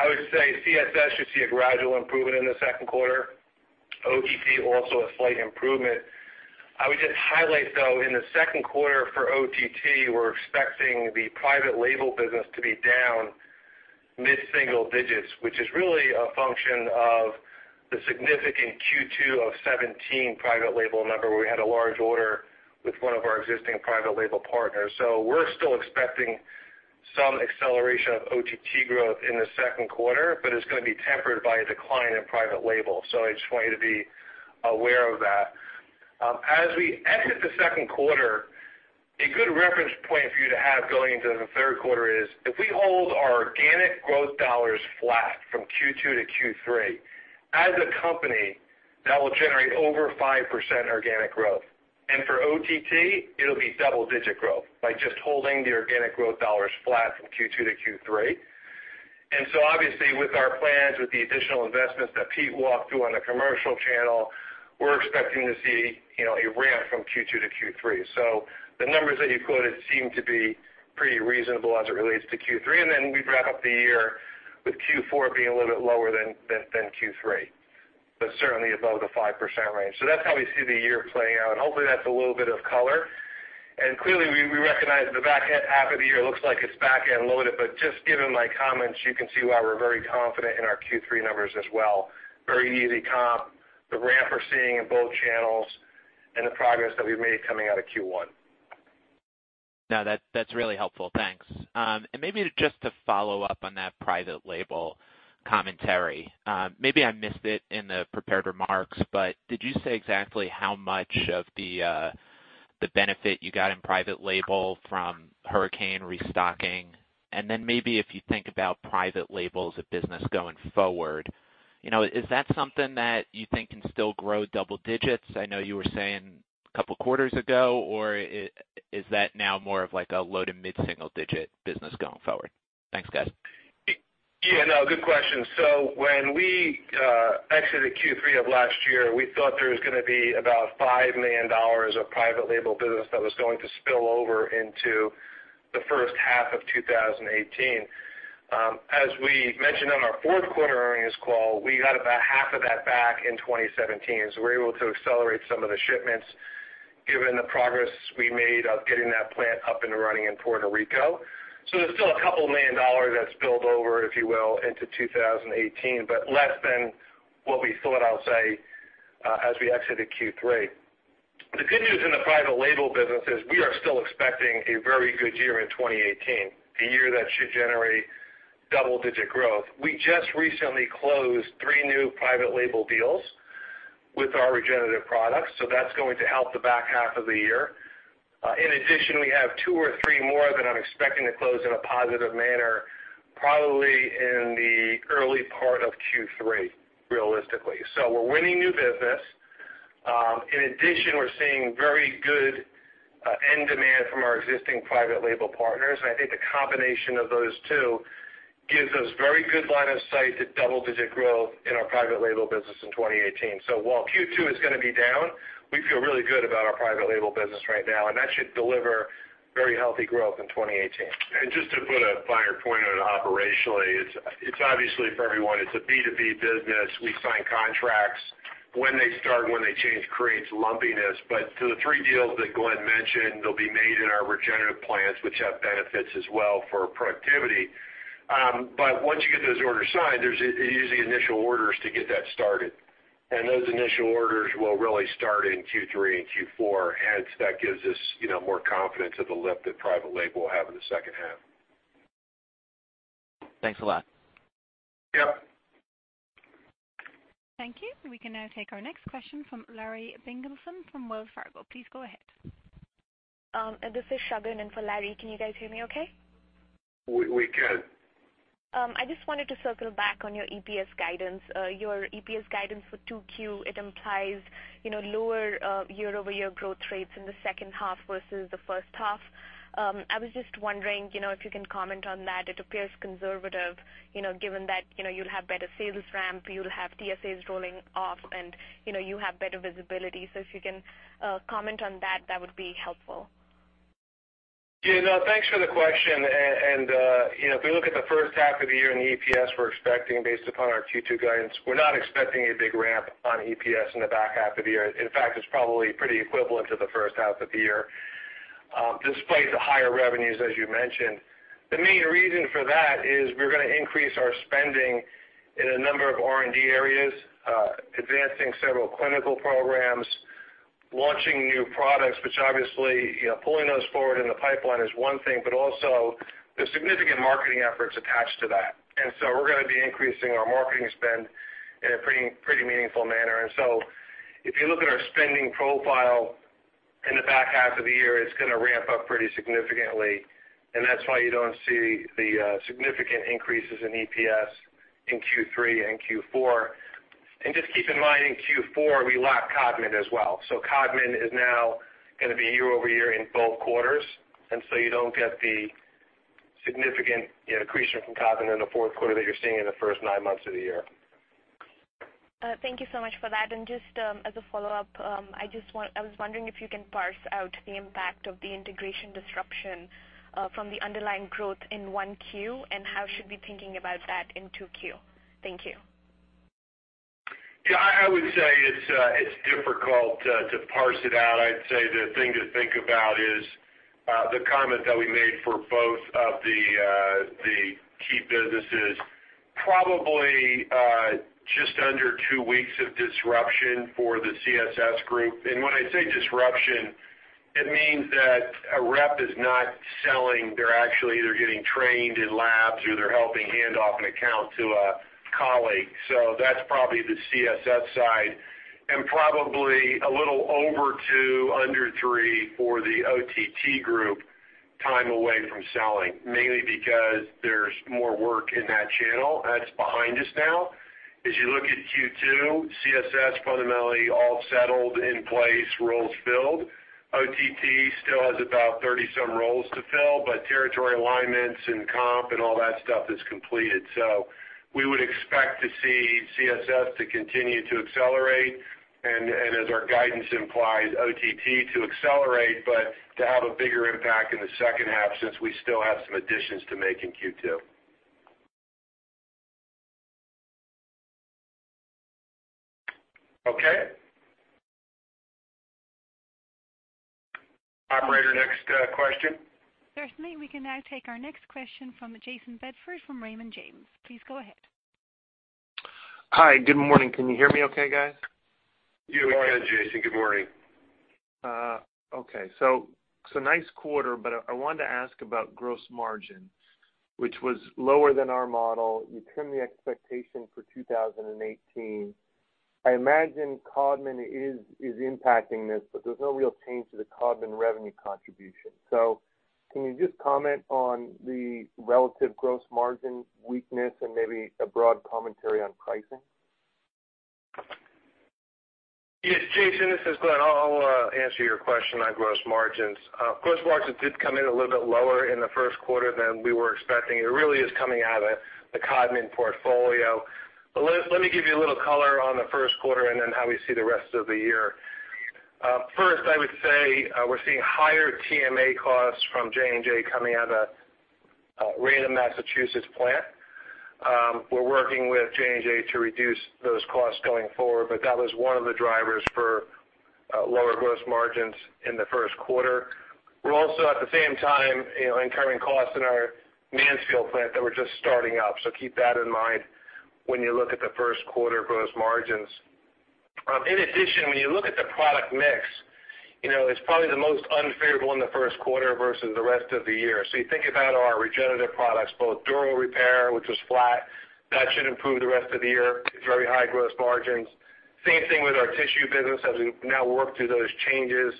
I would say CSS should see a gradual improvement in the second quarter. OTT also a slight improvement. I would just highlight, though, in the second quarter for OTT, we're expecting the private label business to be down mid-single digits, which is really a function of the significant Q2 of 2017 private label number where we had a large order with one of our existing private label partners. So we're still expecting some acceleration of OTT growth in the second quarter, but it's going to be tempered by a decline in private label. So I just want you to be aware of that. As we exit the second quarter, a good reference point for you to have going into the third quarter is if we hold our organic growth dollars flat from Q2 to Q3 as a company, that will generate over 5% organic growth. And for OTT, it'll be double-digit growth by just holding the organic growth dollars flat from Q2 to Q3. And so obviously, with our plans, with the additional investments that Pete walked through on the commercial channel, we're expecting to see a ramp from Q2 to Q3. So the numbers that you quoted seem to be pretty reasonable as it relates to Q3. And then we'd wrap up the year with Q4 being a little bit lower than Q3, but certainly above the 5% range. So that's how we see the year playing out. And hopefully, that's a little bit of color. And clearly, we recognize the back half of the year looks like it's back-loaded. But just given my comments, you can see why we're very confident in our Q3 numbers as well. Very easy comp, the ramp we're seeing in both channels, and the progress that we've made coming out of Q1. No, that's really helpful. Thanks. And maybe just to follow up on that private label commentary, maybe I missed it in the prepared remarks, but did you say exactly how much of the benefit you got in private label from Hurricane restocking? And then maybe if you think about private label as a business going forward, is that something that you think can still grow double digits? I know you were saying a couple of quarters ago, or is that now more of a low to mid-single digit business going forward? Thanks, guys. Yeah. No, good question. So when we exited Q3 of last year, we thought there was going to be about $5 million of private label business that was going to spill over into the first half of 2018. As we mentioned on our fourth quarter earnings call, we got about half of that back in 2017. So we were able to accelerate some of the shipments given the progress we made of getting that plant up and running in Puerto Rico. So there's still a couple of million dollars that spilled over, if you will, into 2018, but less than what we thought outside as we exited Q3. The good news in the private label business is we are still expecting a very good year in 2018, a year that should generate double-digit growth. We just recently closed three new private label deals with our regenerative products. So that's going to help the back half of the year. In addition, we have two or three more that I'm expecting to close in a positive manner, probably in the early part of Q3, realistically. So we're winning new business. In addition, we're seeing very good end demand from our existing private label partners. And I think the combination of those two gives us a very good line of sight to double-digit growth in our private label business in 2018. So while Q2 is going to be down, we feel really good about our private label business right now. And that should deliver very healthy growth in 2018. And just to put a finer point on it operationally, it's obviously for everyone. It's a B2B business. We sign contracts. When they start, when they change, creates lumpiness. But to the three deals that Glenn mentioned, they'll be made in our regenerative plants, which have benefits as well for productivity. Once you get those orders signed, there's usually initial orders to get that started. Those initial orders will really start in Q3 and Q4. Hence, that gives us more confidence of the lift that private label will have in the second half. Thanks a lot. Yep. Thank you. We can now take our next question from Larry Biegelsen from Wells Fargo. Please go ahead. This is Shagun and for Larry, can you guys hear me okay? We can. I just wanted to circle back on your EPS guidance. Your EPS guidance for 2Q, it implies lower year-over-year growth rates in the second half versus the first half. I was just wondering if you can comment on that. It appears conservative given that you'll have better sales ramp, you'll have TSAs rolling off, and you have better visibility. So if you can comment on that, that would be helpful. Yeah. No, thanks for the question. And if we look at the first half of the year in the EPS, we're expecting based upon our Q2 guidance, we're not expecting a big ramp on EPS in the back half of the year. In fact, it's probably pretty equivalent to the first half of the year, despite the higher revenues, as you mentioned. The main reason for that is we're going to increase our spending in a number of R&D areas, advancing several clinical programs, launching new products, which obviously pulling those forward in the pipeline is one thing, but also there's significant marketing efforts attached to that. And so we're going to be increasing our marketing spend in a pretty meaningful manner. And so if you look at our spending profile in the back half of the year, it's going to ramp up pretty significantly. That's why you don't see the significant increases in EPS in Q3 and Q4. Just keep in mind, in Q4, we lack Codman as well. Codman is now going to be year-over-year in both quarters. You don't get the significant increase from Codman in the fourth quarter that you're seeing in the first nine months of the year. Thank you so much for that. And just as a follow-up, I was wondering if you can parse out the impact of the integration disruption from the underlying growth in 1Q, and how should we be thinking about that in 2Q? Thank you. Yeah. I would say it's difficult to parse it out. I'd say the thing to think about is the comment that we made for both of the key businesses, probably just under two weeks of disruption for the CSS group, and when I say disruption, it means that a rep is not selling. They're actually either getting trained in labs or they're helping hand off an account to a colleague. So that's probably the CSS side, and probably a little over two, under three for the OTT group time away from selling, mainly because there's more work in that channel that's behind us now. As you look at Q2, CSS fundamentally all settled in place, roles filled. OTT still has about 30-some roles to fill, but territory alignments and comp and all that stuff is completed. So we would expect to see CSS to continue to accelerate. As our guidance implies, OTT to accelerate, but to have a bigger impact in the second half since we still have some additions to make in Q2. Okay. Operator, next question. Certainly. We can now take our next question from Jayson Bedford from Raymond James. Please go ahead. Hi. Good morning. Can you hear me okay, guys? You're okay, Jayson. Good morning. Okay, so nice quarter, but I wanted to ask about gross margin, which was lower than our model. You trimmed the expectation for 2018. I imagine Codman is impacting this, but there's no real change to the Codman revenue contribution. So can you just comment on the relative gross margin weakness and maybe a broad commentary on pricing? Yes, Jayson, this is Glenn. I'll answer your question on gross margins. Gross margins did come in a little bit lower in the first quarter than we were expecting. It really is coming out of the Codman portfolio. But let me give you a little color on the first quarter and then how we see the rest of the year. First, I would say we're seeing higher TMA costs from J&J coming out of Raynham, Massachusetts plant. We're working with J&J to reduce those costs going forward, but that was one of the drivers for lower gross margins in the first quarter. We're also at the same time incurring costs in our Mansfield plant that we're just starting up. So keep that in mind when you look at the first quarter gross margins. In addition, when you look at the product mix, it's probably the most unfavorable in the first quarter versus the rest of the year, so you think about our regenerative products, both Dural Repair, which was flat. That should improve the rest of the year. It's very high gross margins. Same thing with our tissue business as we've now worked through those changes,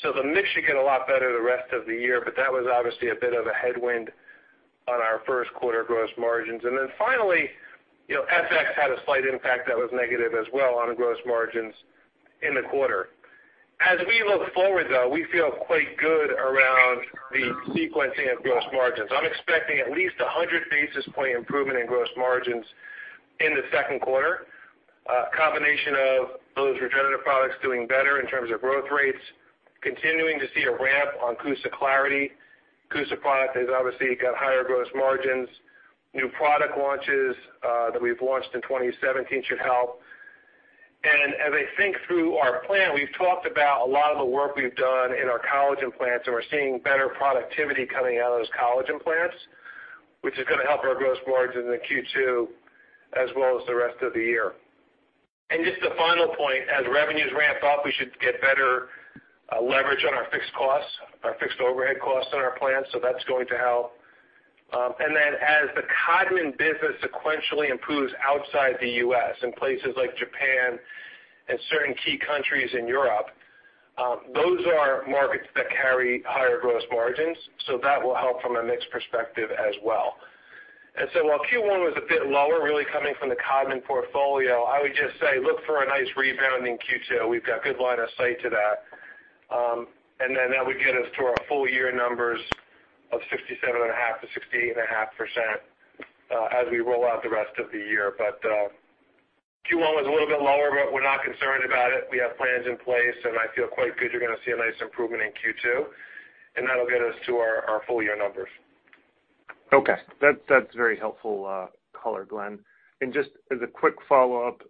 so the mix should get a lot better the rest of the year, but that was obviously a bit of a headwind on our first quarter gross margins. Then finally, FX had a slight impact that was negative as well on gross margins in the quarter. As we look forward, though, we feel quite good around the sequencing of gross margins. I'm expecting at least 100 basis points improvement in gross margins in the second quarter, a combination of those regenerative products doing better in terms of growth rates, continuing to see a ramp on CUSA Clarity. CUSA product has obviously got higher gross margins. New product launches that we've launched in 2017 should help, and as I think through our plan, we've talked about a lot of the work we've done in our collagen plants, and we're seeing better productivity coming out of those collagen plants, which is going to help our gross margins in Q2 as well as the rest of the year, and just the final point, as revenues ramp up, we should get better leverage on our fixed costs, our fixed overhead costs in our plants, so that's going to help. And then as the Codman business sequentially improves outside the U.S. in places like Japan and certain key countries in Europe, those are markets that carry higher gross margins. So that will help from a mixed perspective as well. And so while Q1 was a bit lower, really coming from the Codman portfolio, I would just say look for a nice rebound in Q2. We've got a good line of sight to that. And then that would get us to our full year numbers of 67.5%-68.5% as we roll out the rest of the year. But Q1 was a little bit lower, but we're not concerned about it. We have plans in place, and I feel quite good. You're going to see a nice improvement in Q2, and that'll get us to our full year numbers. Okay. That's very helpful color, Glenn. And just as a quick follow-up,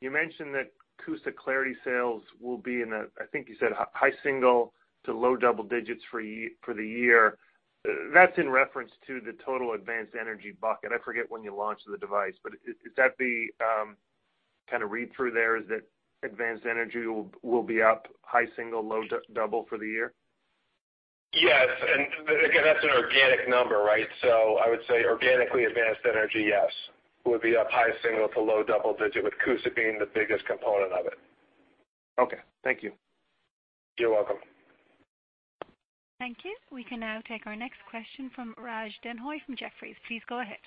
you mentioned that CUSA Clarity sales will be in a, I think you said, high single- to low double-digit for the year. That's in reference to the total Advanced Energy bucket. I forget when you launched the device, but is that the kind of read-through there is that Advanced Energy will be up high single-, low double-digit for the year? Yes. And again, that's an organic number, right? So I would say organically Advanced Energy, yes, would be up high single to low double digit with CUSA being the biggest component of it. Okay. Thank you. You're welcome. Thank you. We can now take our next question from Raj Denhoy from Jefferies. Please go ahead.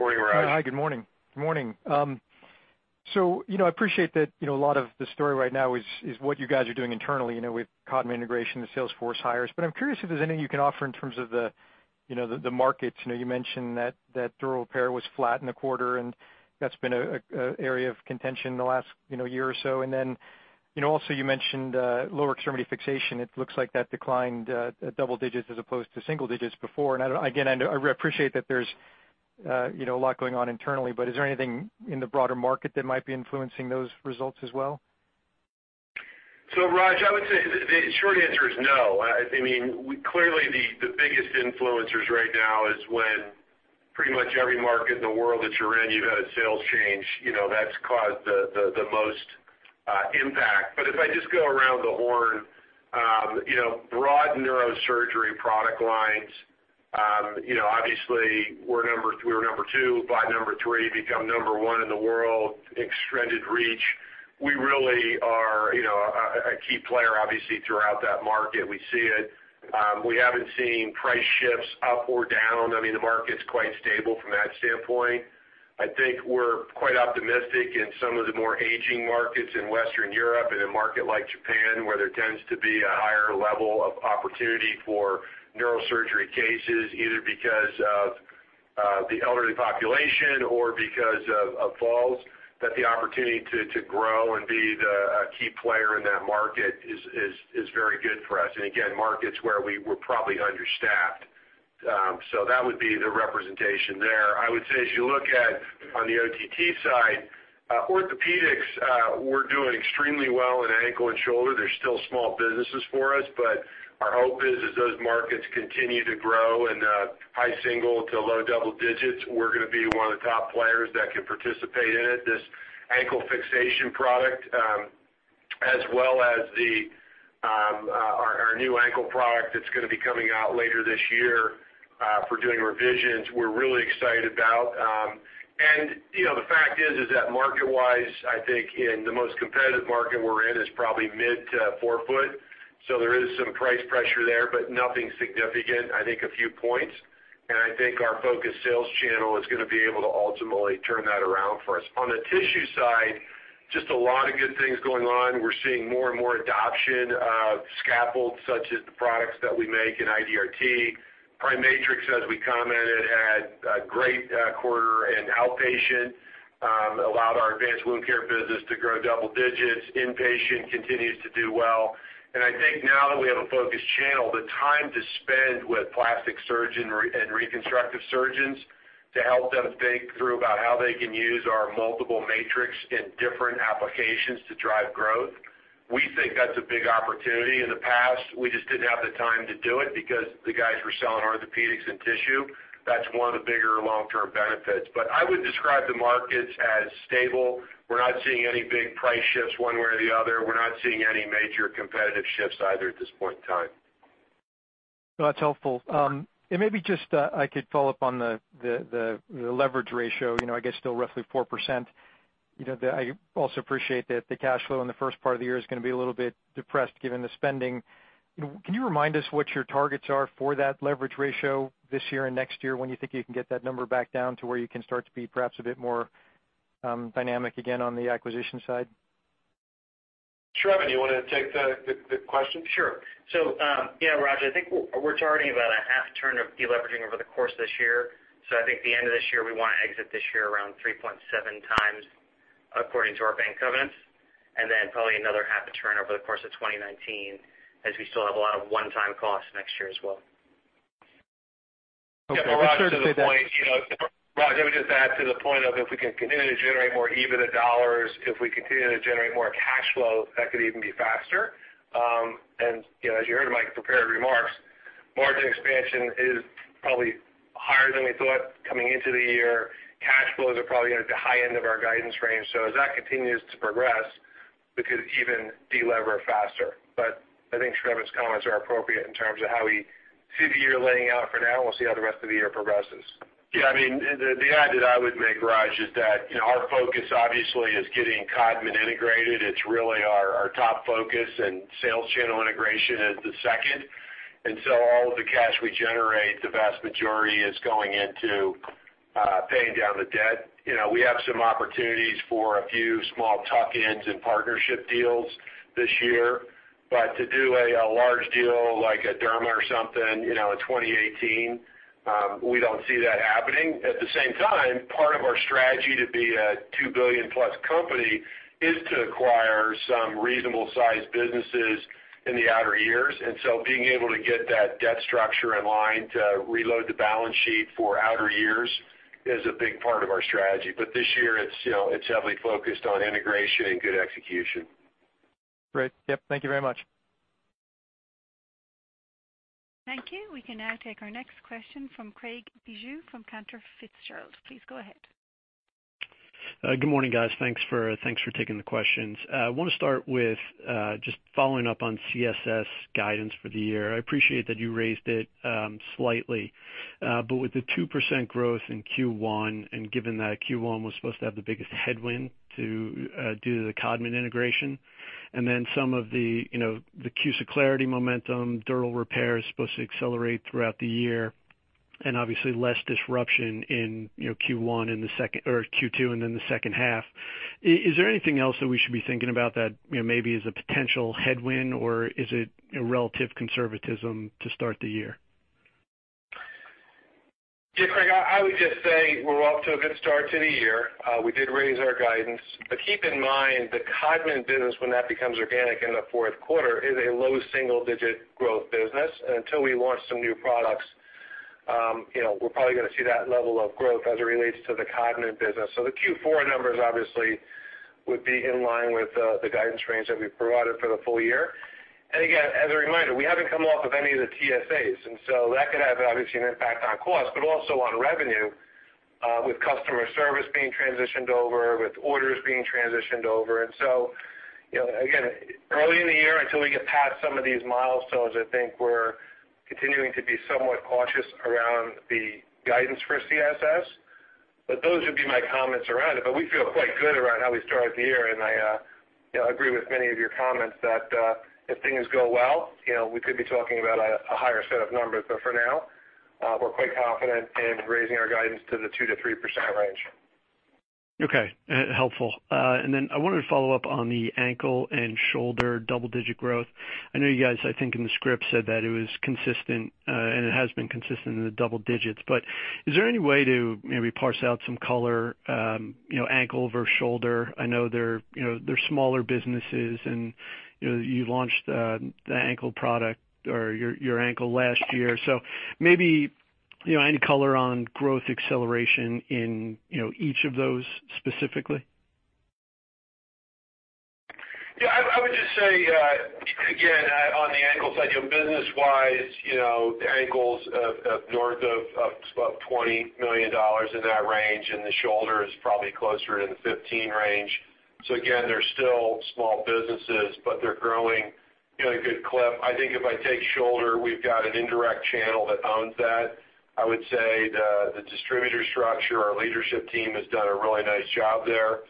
Morning, Raj. Hi. Good morning. Good morning. So I appreciate that a lot of the story right now is what you guys are doing internally with Codman integration, the sales force hires. But I'm curious if there's anything you can offer in terms of the markets. You mentioned that Dural Repair was flat in the quarter, and that's been an area of contention the last year or so. And then also you mentioned lower extremity fixation. It looks like that declined double digits as opposed to single digits before. And again, I appreciate that there's a lot going on internally, but is there anything in the broader market that might be influencing those results as well? So Raj, I would say the short answer is no. I mean, clearly the biggest influencers right now is when pretty much every market in the world that you're in, you've had a sales change. That's caused the most impact. But if I just go around the horn, broad neurosurgery product lines, obviously we're number two, by number three, become number one in the world, extended reach. We really are a key player, obviously, throughout that market. We see it. We haven't seen price shifts up or down. I mean, the market's quite stable from that standpoint. I think we're quite optimistic in some of the more aging markets in Western Europe and in a market like Japan where there tends to be a higher level of opportunity for neurosurgery cases, either because of the elderly population or because of falls, that the opportunity to grow and be the key player in that market is very good for us, and again, markets where we're probably understaffed, so that would be the representation there. I would say as you look at on the OTT side, orthopedics, we're doing extremely well in ankle and shoulder. They're still small businesses for us, but our hope is as those markets continue to grow and high single to low double digits, we're going to be one of the top players that can participate in it. This ankle fixation product, as well as our new ankle product that's going to be coming out later this year for doing revisions, we're really excited about. And the fact is that market-wise, I think in the most competitive market we're in is probably mid to forefoot. So there is some price pressure there, but nothing significant. I think a few points. And I think our focus sales channel is going to be able to ultimately turn that around for us. On the tissue side, just a lot of good things going on. We're seeing more and more adoption of scaffolds such as the products that we make in IDRT. PriMatrix, as we commented, had a great quarter in outpatient, allowed our Advanced Wound Care business to grow double digits. Inpatient continues to do well. And I think now that we have a focus channel, the time to spend with plastic surgeon and reconstructive surgeons to help them think through about how they can use our multiple matrix in different applications to drive growth, we think that's a big opportunity. In the past, we just didn't have the time to do it because the guys were selling orthopedics and tissue. That's one of the bigger long-term benefits. But I would describe the markets as stable. We're not seeing any big price shifts one way or the other. We're not seeing any major competitive shifts either at this point in time. That's helpful. And maybe just I could follow up on the leverage ratio. I guess still roughly 4%. I also appreciate that the cash flow in the first part of the year is going to be a little bit depressed given the spending. Can you remind us what your targets are for that leverage ratio this year and next year when you think you can get that number back down to where you can start to be perhaps a bit more dynamic again on the acquisition side? Sure. I mean, you want to take the question? Sure. So yeah, Raj, I think we're targeting about a half turn of deleveraging over the course of this year. So I think the end of this year, we want to exit this year around 3.7 times according to our bank covenants. And then probably another half a turn over the course of 2019 as we still have a lot of one-time costs next year as well. Yeah. But Raj, at this point, Raj, I would just add to the point of if we can continue to generate more EBITDA dollars, if we continue to generate more cash flow, that could even be faster. And as you heard Mike prepare remarks, margin expansion is probably higher than we thought coming into the year. Cash flows are probably at the high end of our guidance range. So as that continues to progress, we could even deleverage faster. But I think Glenn's comments are appropriate in terms of how we see the year laying out for now, and we'll see how the rest of the year progresses. Yeah. I mean, the add that I would make, Raj, is that our focus obviously is getting Codman integrated. It's really our top focus, and sales channel integration is the second. And so all of the cash we generate, the vast majority is going into paying down the debt. We have some opportunities for a few small tuck-ins and partnership deals this year. But to do a large deal like a Derma or something in 2018, we don't see that happening. At the same time, part of our strategy to be a 2 billion-plus company is to acquire some reasonable-sized businesses in the outer years. And so being able to get that debt structure in line to reload the balance sheet for outer years is a big part of our strategy. But this year, it's heavily focused on integration and good execution. Great. Yep. Thank you very much. Thank you. We can now take our next question from Craig Bijou from Cantor Fitzgerald. Please go ahead. Good morning, guys. Thanks for taking the questions. I want to start with just following up on CSS guidance for the year. I appreciate that you raised it slightly, but with the 2% growth in Q1 and given that Q1 was supposed to have the biggest headwind due to the Codman integration, and then some of the CUSA Clarity momentum, Dural Repair is supposed to accelerate throughout the year, and obviously less disruption in Q1 and the second or Q2 and then the second half, is there anything else that we should be thinking about that maybe is a potential headwind, or is it relative conservatism to start the year? Yeah, Craig, I would just say we're off to a good start to the year. We did raise our guidance. But keep in mind, the Codman business, when that becomes organic in the fourth quarter, is a low single-digit growth business. And until we launch some new products, we're probably going to see that level of growth as it relates to the Codman business. So the Q4 numbers obviously would be in line with the guidance range that we've provided for the full year. And again, as a reminder, we haven't come off of any of the TSAs. And so that could have obviously an impact on costs, but also on revenue with customer service being transitioned over, with orders being transitioned over. And so again, early in the year, until we get past some of these milestones, I think we're continuing to be somewhat cautious around the guidance for CSS. But those would be my comments around it. But we feel quite good around how we started the year. And I agree with many of your comments that if things go well, we could be talking about a higher set of numbers. But for now, we're quite confident in raising our guidance to the 2%-3% range. Okay. Helpful. And then I wanted to follow up on the ankle and shoulder double-digit growth. I know you guys, I think in the script, said that it was consistent, and it has been consistent in the double digits. But is there any way to maybe parse out some color, ankle versus shoulder? I know they're smaller businesses, and you launched the ankle product or your ankle last year. So maybe any color on growth acceleration in each of those specifically? Yeah. I would just say, again, on the ankle side, business-wise, the ankles are north of $20 million in that range, and the shoulder is probably closer to the 15 range. So again, they're still small businesses, but they're growing at a good clip. I think if I take shoulder, we've got an indirect channel that owns that. I would say the distributor structure, our leadership team has done a really nice job there.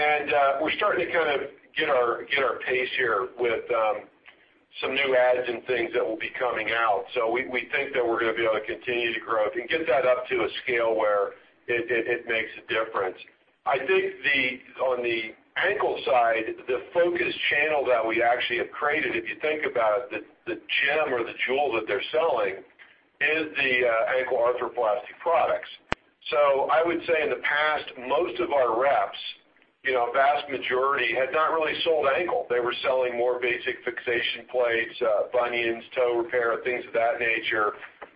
And we're starting to kind of get our pace here with some new adds and things that will be coming out. So we think that we're going to be able to continue to grow and get that up to a scale where it makes a difference. I think on the ankle side, the focus channel that we actually have created, if you think about it, the gem or the jewel that they're selling is the ankle arthroplasty products. So I would say in the past, most of our reps, vast majority, had not really sold ankle. They were selling more basic fixation plates, bunions, toe repair, things of that nature,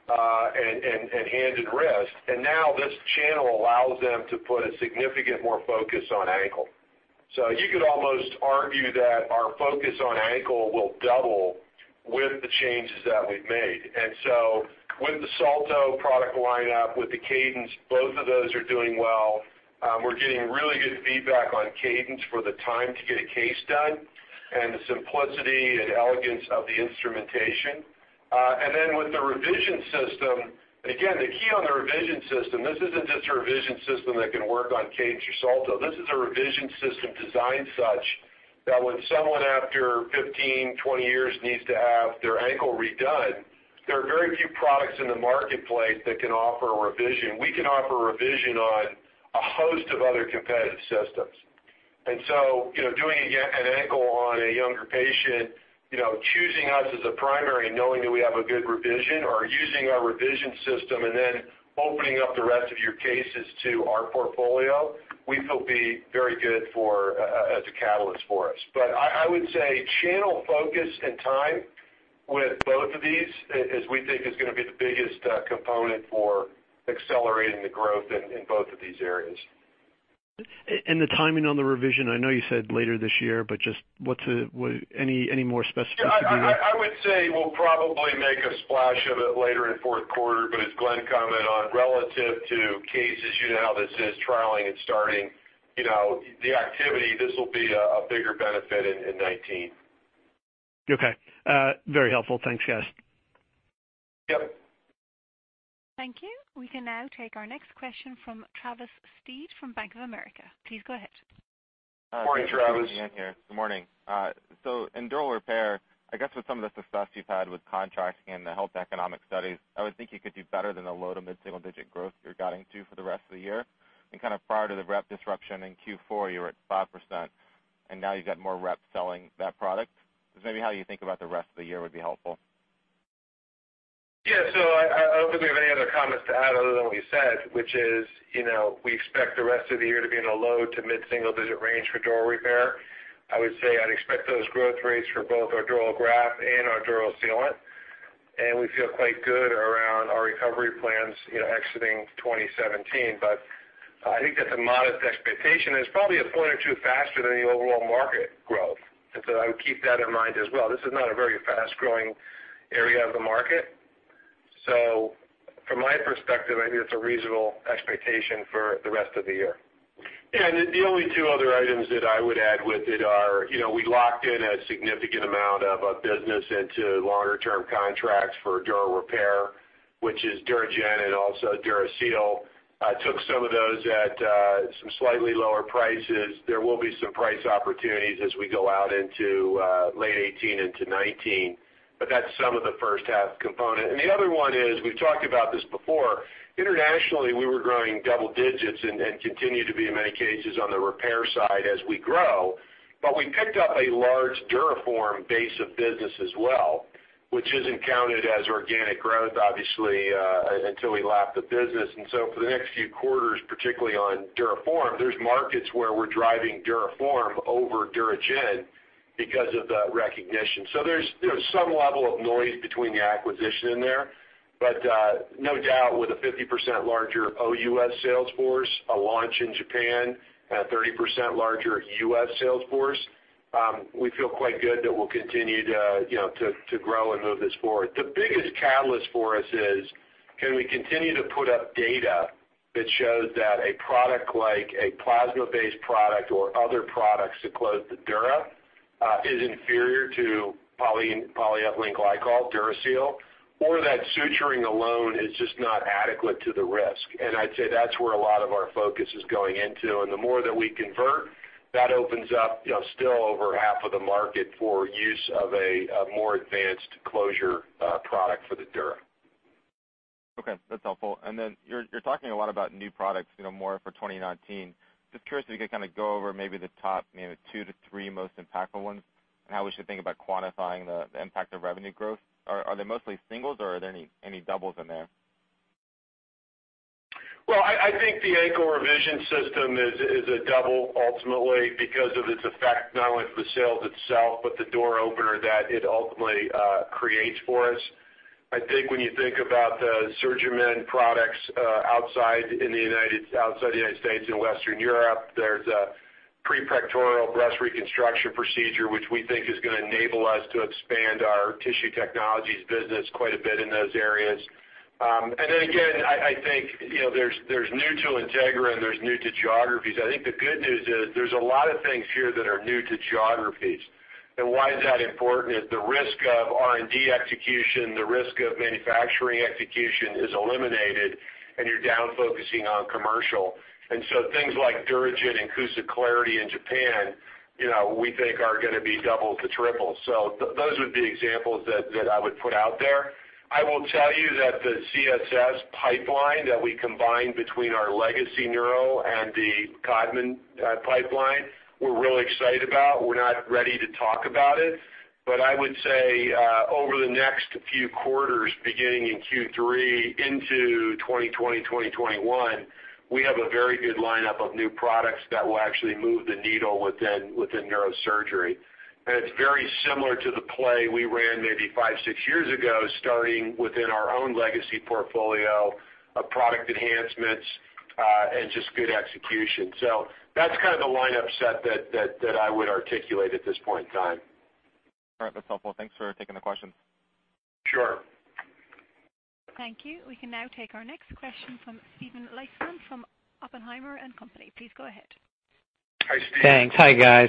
and hand and wrist. And now this channel allows them to put a significant more focus on ankle. So you could almost argue that our focus on ankle will double with the changes that we've made. And so with the Salto product lineup, with the Cadence, both of those are doing well. We're getting really good feedback on Cadence for the time to get a case done and the simplicity and elegance of the instrumentation. Then with the revision system, again, the key to the revision system, this isn't just a revision system that can work on Cadence or Salto. This is a revision system designed such that when someone after 15, 20 years needs to have their ankle redone, there are very few products in the marketplace that can offer a revision. We can offer a revision on a host of other competitive systems. And so doing an ankle on a younger patient, choosing us as a primary, knowing that we have a good revision, or using our revision system and then opening up the rest of your cases to our portfolio, we think will be very good as a catalyst for us. But I would say channel focus and time with both of these, as we think, is going to be the biggest component for accelerating the growth in both of these areas. The timing on the revision, I know you said later this year, but just any more specifics? I would say we'll probably make a splash of it later in fourth quarter, but as Glenn Coleman commented on relative to cases, you know how this is, trialing and starting the activity, this will be a bigger benefit in 2019. Okay. Very helpful. Thanks, guys. Yep. Thank you. We can now take our next question from Travis Steed from Bank of America. Please go ahead. Morning, Travis. Good morning. So in Dural Repair, I guess with some of the success you've had with contracting and the health economic studies, I would think you could do better than the low- to mid-single-digit growth you're guiding to for the rest of the year. And kind of prior to the rep disruption in Q4, you were at 5%, and now you've got more reps selling that product. So maybe how you think about the rest of the year would be helpful. Yeah. So I don't think we have any other comments to add other than what you said, which is we expect the rest of the year to be in a low- to mid-single-digit range for Dural Repair. I would say I'd expect those growth rates for both our dural graft and our dural sealant. And we feel quite good around our recovery plans exiting 2017. But I think that's a modest expectation. It's probably a point or two faster than the overall market growth. And so I would keep that in mind as well. This is not a very fast-growing area of the market. So from my perspective, I think it's a reasonable expectation for the rest of the year. Yeah and the only two other items that I would add with it are we locked in a significant amount of business into longer-term contracts for Dural Repair, which is DuraGen and also DuraSeal. I took some of those at some slightly lower prices. There will be some price opportunities as we go out into late 2018 into 2019. But that's some of the first-half component. And the other one is we've talked about this before. Internationally, we were growing double digits and continue to be in many cases on the repair side as we grow. But we picked up a large DuraForm base of business as well, which isn't counted as organic growth, obviously, until we left the business. And so for the next few quarters, particularly on DuraForm, there's markets where we're driving DuraForm over DuraGen because of the recognition. There's some level of noise between the acquisition in there. No doubt, with a 50% larger OUS sales force, a launch in Japan, and a 30% larger US sales force, we feel quite good that we'll continue to grow and move this forward. The biggest catalyst for us is, can we continue to put up data that shows that a product like a plasma-based product or other products that close the dura is inferior to polyethylene glycol, DuraSeal, or that suturing alone is just not adequate to the risk. I'd say that's where a lot of our focus is going into. The more that we convert, that opens up still over half of the market for use of a more advanced closure product for the dura. Okay. That's helpful. And then you're talking a lot about new products more for 2019. Just curious if you could kind of go over maybe the top two to three most impactful ones and how we should think about quantifying the impact of revenue growth. Are they mostly singles, or are there any doubles in there? I think the ankle revision system is a double ultimately because of its effect not only for the sales itself, but the door opener that it ultimately creates for us. I think when you think about the SurgiMend products outside of the United States and Western Europe, there's a pre-pectoral breast reconstruction procedure, which we think is going to enable us to expand our Tissue Technologies business quite a bit in those areas. Then again, I think there's new to Integra, and there's new to geographies. I think the good news is there's a lot of things here that are new to geographies. Why is that important? The risk of R&D execution, the risk of manufacturing execution is eliminated, and you're downfocusing on commercial. Things like DuraGen and CUSA Clarity in Japan, we think are going to be doubles to triples. So those would be examples that I would put out there. I will tell you that the CSS pipeline that we combined between our legacy neural and the Codman pipeline, we're really excited about. We're not ready to talk about it. But I would say over the next few quarters, beginning in Q3 into 2020, 2021, we have a very good lineup of new products that will actually move the needle within neurosurgery. And it's very similar to the play we ran maybe five, six years ago, starting within our own legacy portfolio of product enhancements and just good execution. So that's kind of the lineup set that I would articulate at this point in time. All right. That's helpful. Thanks for taking the questions. Sure. Thank you. We can now take our next question from Steven Lichtman from Oppenheimer and Company. Please go ahead. Hi, Steve. Thanks. Hi, guys.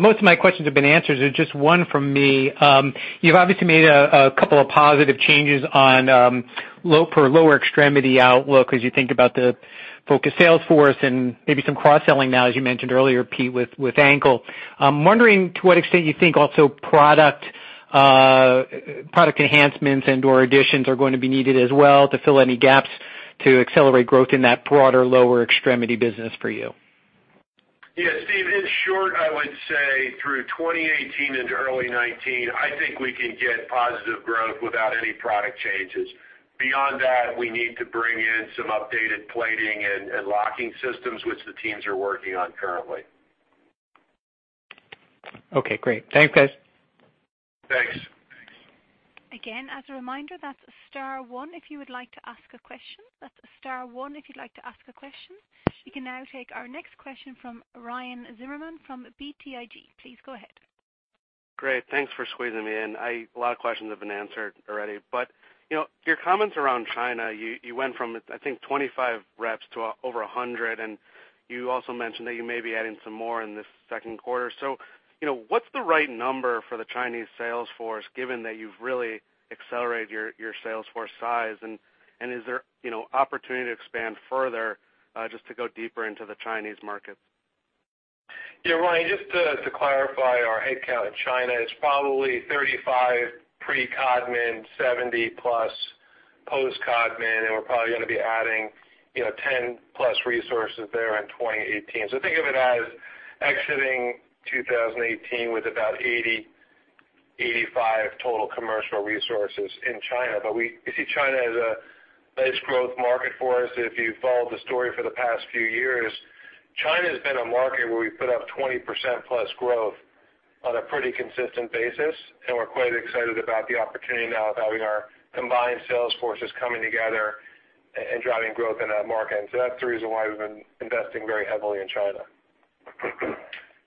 Most of my questions have been answered. There's just one from me. You've obviously made a couple of positive changes for lower extremity outlook as you think about the focus sales force and maybe some cross-selling now, as you mentioned earlier, Pete, with ankle. I'm wondering to what extent you think also product enhancements and/or additions are going to be needed as well to fill any gaps to accelerate growth in that broader lower extremity business for you. Yeah. Steve, in short, I would say through 2018 into early 2019, I think we can get positive growth without any product changes. Beyond that, we need to bring in some updated plating and locking systems, which the teams are working on currently. Okay. Great. Thanks, guys. Thanks. Again, as a reminder, that's star one if you would like to ask a question. That's star one if you'd like to ask a question. We can now take our next question from Ryan Zimmerman from BTIG. Please go ahead. Great. Thanks for squeezing me in. A lot of questions have been answered already. But your comments around China, you went from, I think, 25 reps to over 100. And you also mentioned that you may be adding some more in this second quarter. So what's the right number for the Chinese sales force, given that you've really accelerated your sales force size? And is there opportunity to expand further just to go deeper into the Chinese markets? Yeah. Ryan, just to clarify our headcount in China, it's probably 35 pre-Codman, 70-plus post-Codman. We're probably going to be adding 10-plus resources there in 2018. Think of it as exiting 2018 with about 80-85 total commercial resources in China. You see China as a nice growth market for us. If you follow the story for the past few years, China has been a market where we put up 20%-plus growth on a pretty consistent basis. We're quite excited about the opportunity now of having our combined sales forces coming together and driving growth in that market. That's the reason why we've been investing very heavily in China.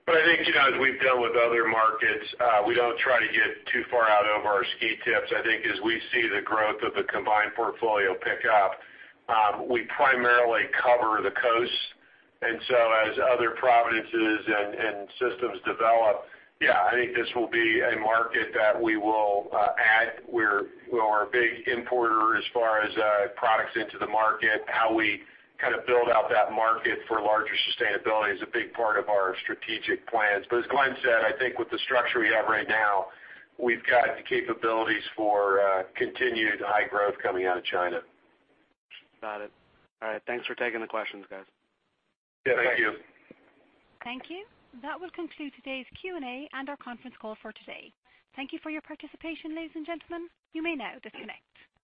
I think as we've done with other markets, we don't try to get too far out over our ski tips. I think as we see the growth of the combined portfolio pick up, we primarily cover the coasts, and so as other provinces and systems develop, yeah, I think this will be a market that we will add. We're a big importer as far as products into the market. How we kind of build out that market for larger sustainability is a big part of our strategic plans, but as Glenn said, I think with the structure we have right now, we've got the capabilities for continued high growth coming out of China. Got it. All right. Thanks for taking the questions, guys. Yeah. Thank you. Thank you. That will conclude today's Q&A and our conference call for today. Thank you for your participation, ladies and gentlemen. You may now disconnect.